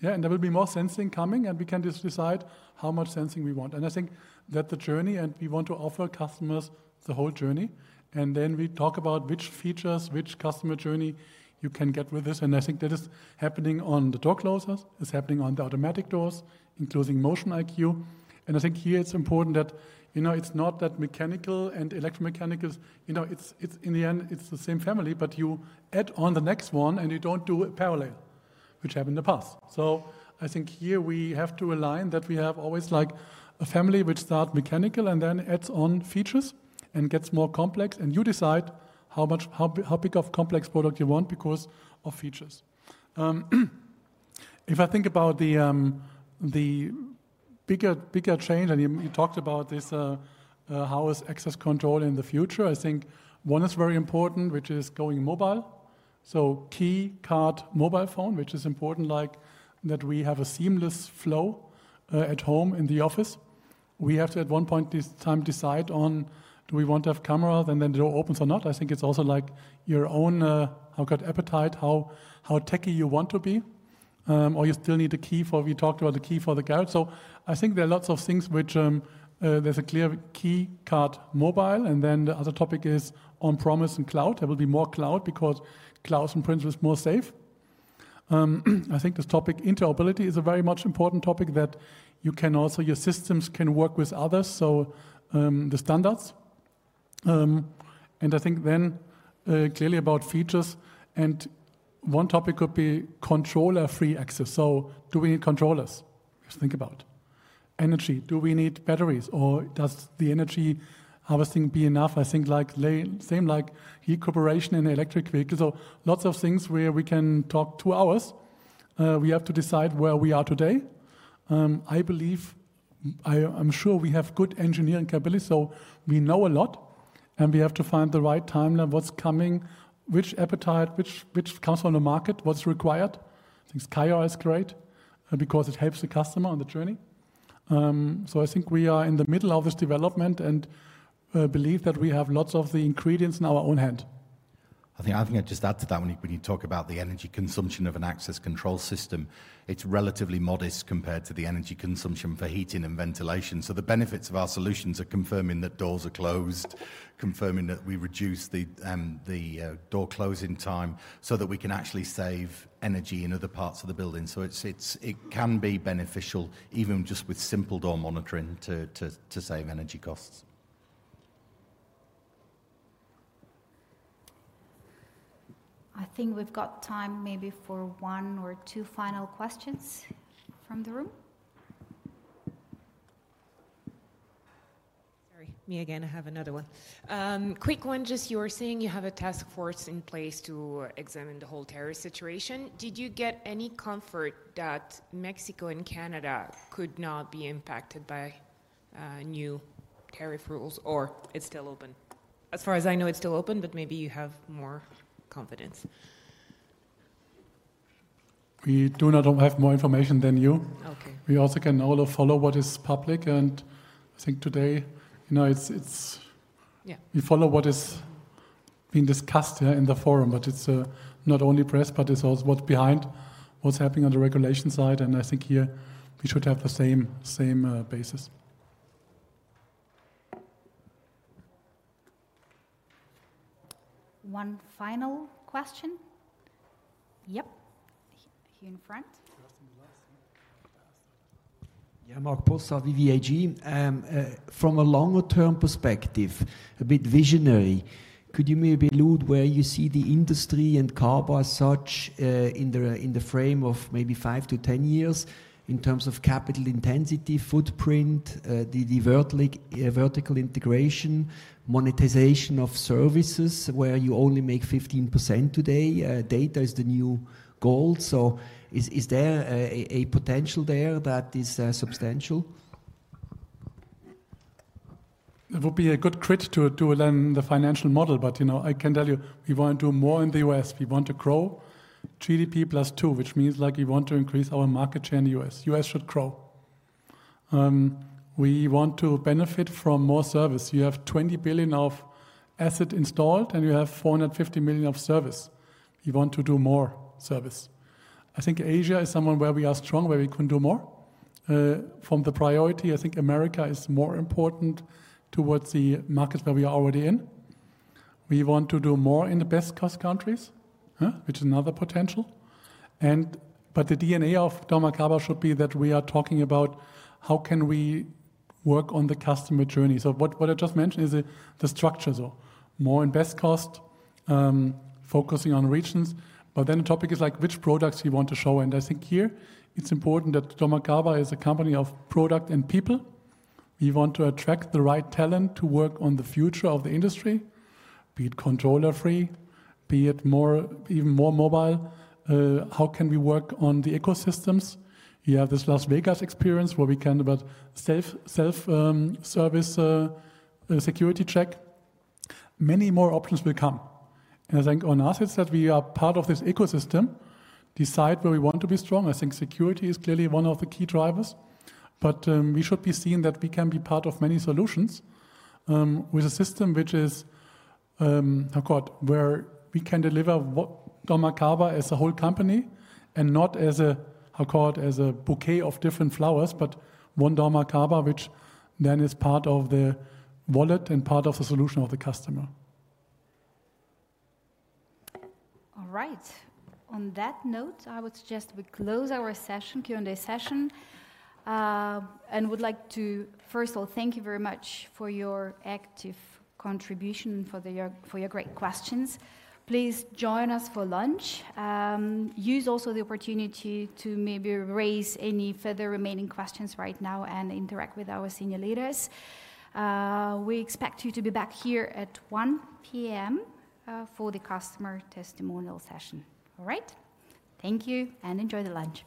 yeah and there will be more sensing coming and we can just decide how much sensing we want and I think that the journey and we want to offer customers the whole journey and then we talk about which features which customer journey you can get with this and I think that is happening on the door closers is happening on the automatic doors including MotionIQ. And I think here it's important that you know it's not that mechanical and electromechanicals you know it's it's in the end it's the same family but you add on the next one and you don't do a parallel which happened in the past so I think here we have to align that we have always like a family which start mechanical and then adds on features and gets more complex and you decide how much how how big of complex product you want because of features if I think about the the bigger bigger change. And you talked about this how is access control in the future I think one is very important which is going mobile so key card mobile phone which is important like that we have a seamless flow at home in the office we have to at one point this time decide on do we want to have camera. And then the door opens or not I think it's also like your own how got appetite how how techy you want to be or you still need the key for we talked about the key for the garage so I think there are lots of things which there's a clear key card mobile and then the other topic is on promise and cloud there will be more cloud because clouds and principles more safe I think this topic interoperability is a very much important topic that you can also your systems can work with others so the standards and I think then clearly about features and one topic could be controller free access so do we need controllers just think about energy do we need batteries or does the energy harvesting be enough. I think like same like heat cooperation in electric vehicles so lots of things where we can talk two hours we have to decide where we are today I believe I I'm sure we have good engineering capability so we know a lot and we have to find the right timeline what's coming which appetite which which comes on the market what's required I think Skyra is great because it helps the customer on the journey so I think we are in the middle of this development and believe that we have lots of the ingredients in our own hand. I think I think I just add to that when you when you talk about the energy consumption of an access control system it's relatively modest compared to the energy consumption for heating and ventilation so the benefits of our solutions are confirming that doors are closed confirming that we reduce the the door closing time so that we can actually save energy in other parts of the building so it's it's it can be beneficial even just with simple door monitoring to to to save energy costs I think we've got time maybe for one or two final questions from the room sorry me again I have another one quick one just you were saying you have a task force in place to examine the whole terror situation did you get any comfort that Mexico and Canada could not be impacted by new tariff rules or it's still open as far as I know it's still open but maybe you have more confidence. We do not have more information than you okay we also can all follow what is public and I think today you know it's it's yeah we follow what is being discussed here in the forum but it's not only press but it's also what's behind what's happening on the regulation side and I think here we should have the same same basis one final question yep here in front yeah Marc Possa VV Vermögensverwaltung AG from a longer term perspective a bit visionary could you maybe elude where you see the industry and car as such in the in the frame of maybe 5 to 10 years in terms of capital intensity footprint the the vertical integration monetization of services where you only make 15% today data is the new goal so is is there a potential there that is substantial. It would be a good crit to do then the financial model but you know I can tell you we want to do more in the U.S. we want to grow GDP plus 2 which means like we want to increase our market share in the U.S. U.S. should grow we want to benefit from more service you have $20 billion of asset installed and you have 450 million of service we want to do more service I think Asia is someone where we are strong where we can do more from the priority I think America is more important towards the market where we are already in we want to do more in the best cost countries huh which is another potential and but the DNA of Dormakaba should be that we are talking about how can we work. On the customer journey so what what I just mentioned is the structure so more in best cost focusing on regions but then the topic is like which products you want to show and I think here it's important that Dormakaba is a company of product and people we want to attract the right talent to work on the future of the industry be it controller free be it more even more mobile how can we work on the ecosystems you have this Las Vegas experience where we can but self self service security check many more options will come and I think on us it's that we are part of this ecosystem decide where we want to be strong I think security is clearly one of the key drivers but we should be seen that we can be part of many solutions with a system. Which is how called where we can deliver what Dormakaba as a whole company and not as a how called as a bouquet of different flowers but one Dormakaba which then is part of the wallet and part of the solution of the customer. All right on that note I would suggest we close our session Q&A session and would like to first of all thank you very much for your active contribution and for your for your great questions please join us for lunch use also the opportunity to maybe raise any further remaining questions right now and interact with our senior leaders we expect you to be back here at 1:00 P.M. for the customer testimonial session all right thank you and enjoy the lunch.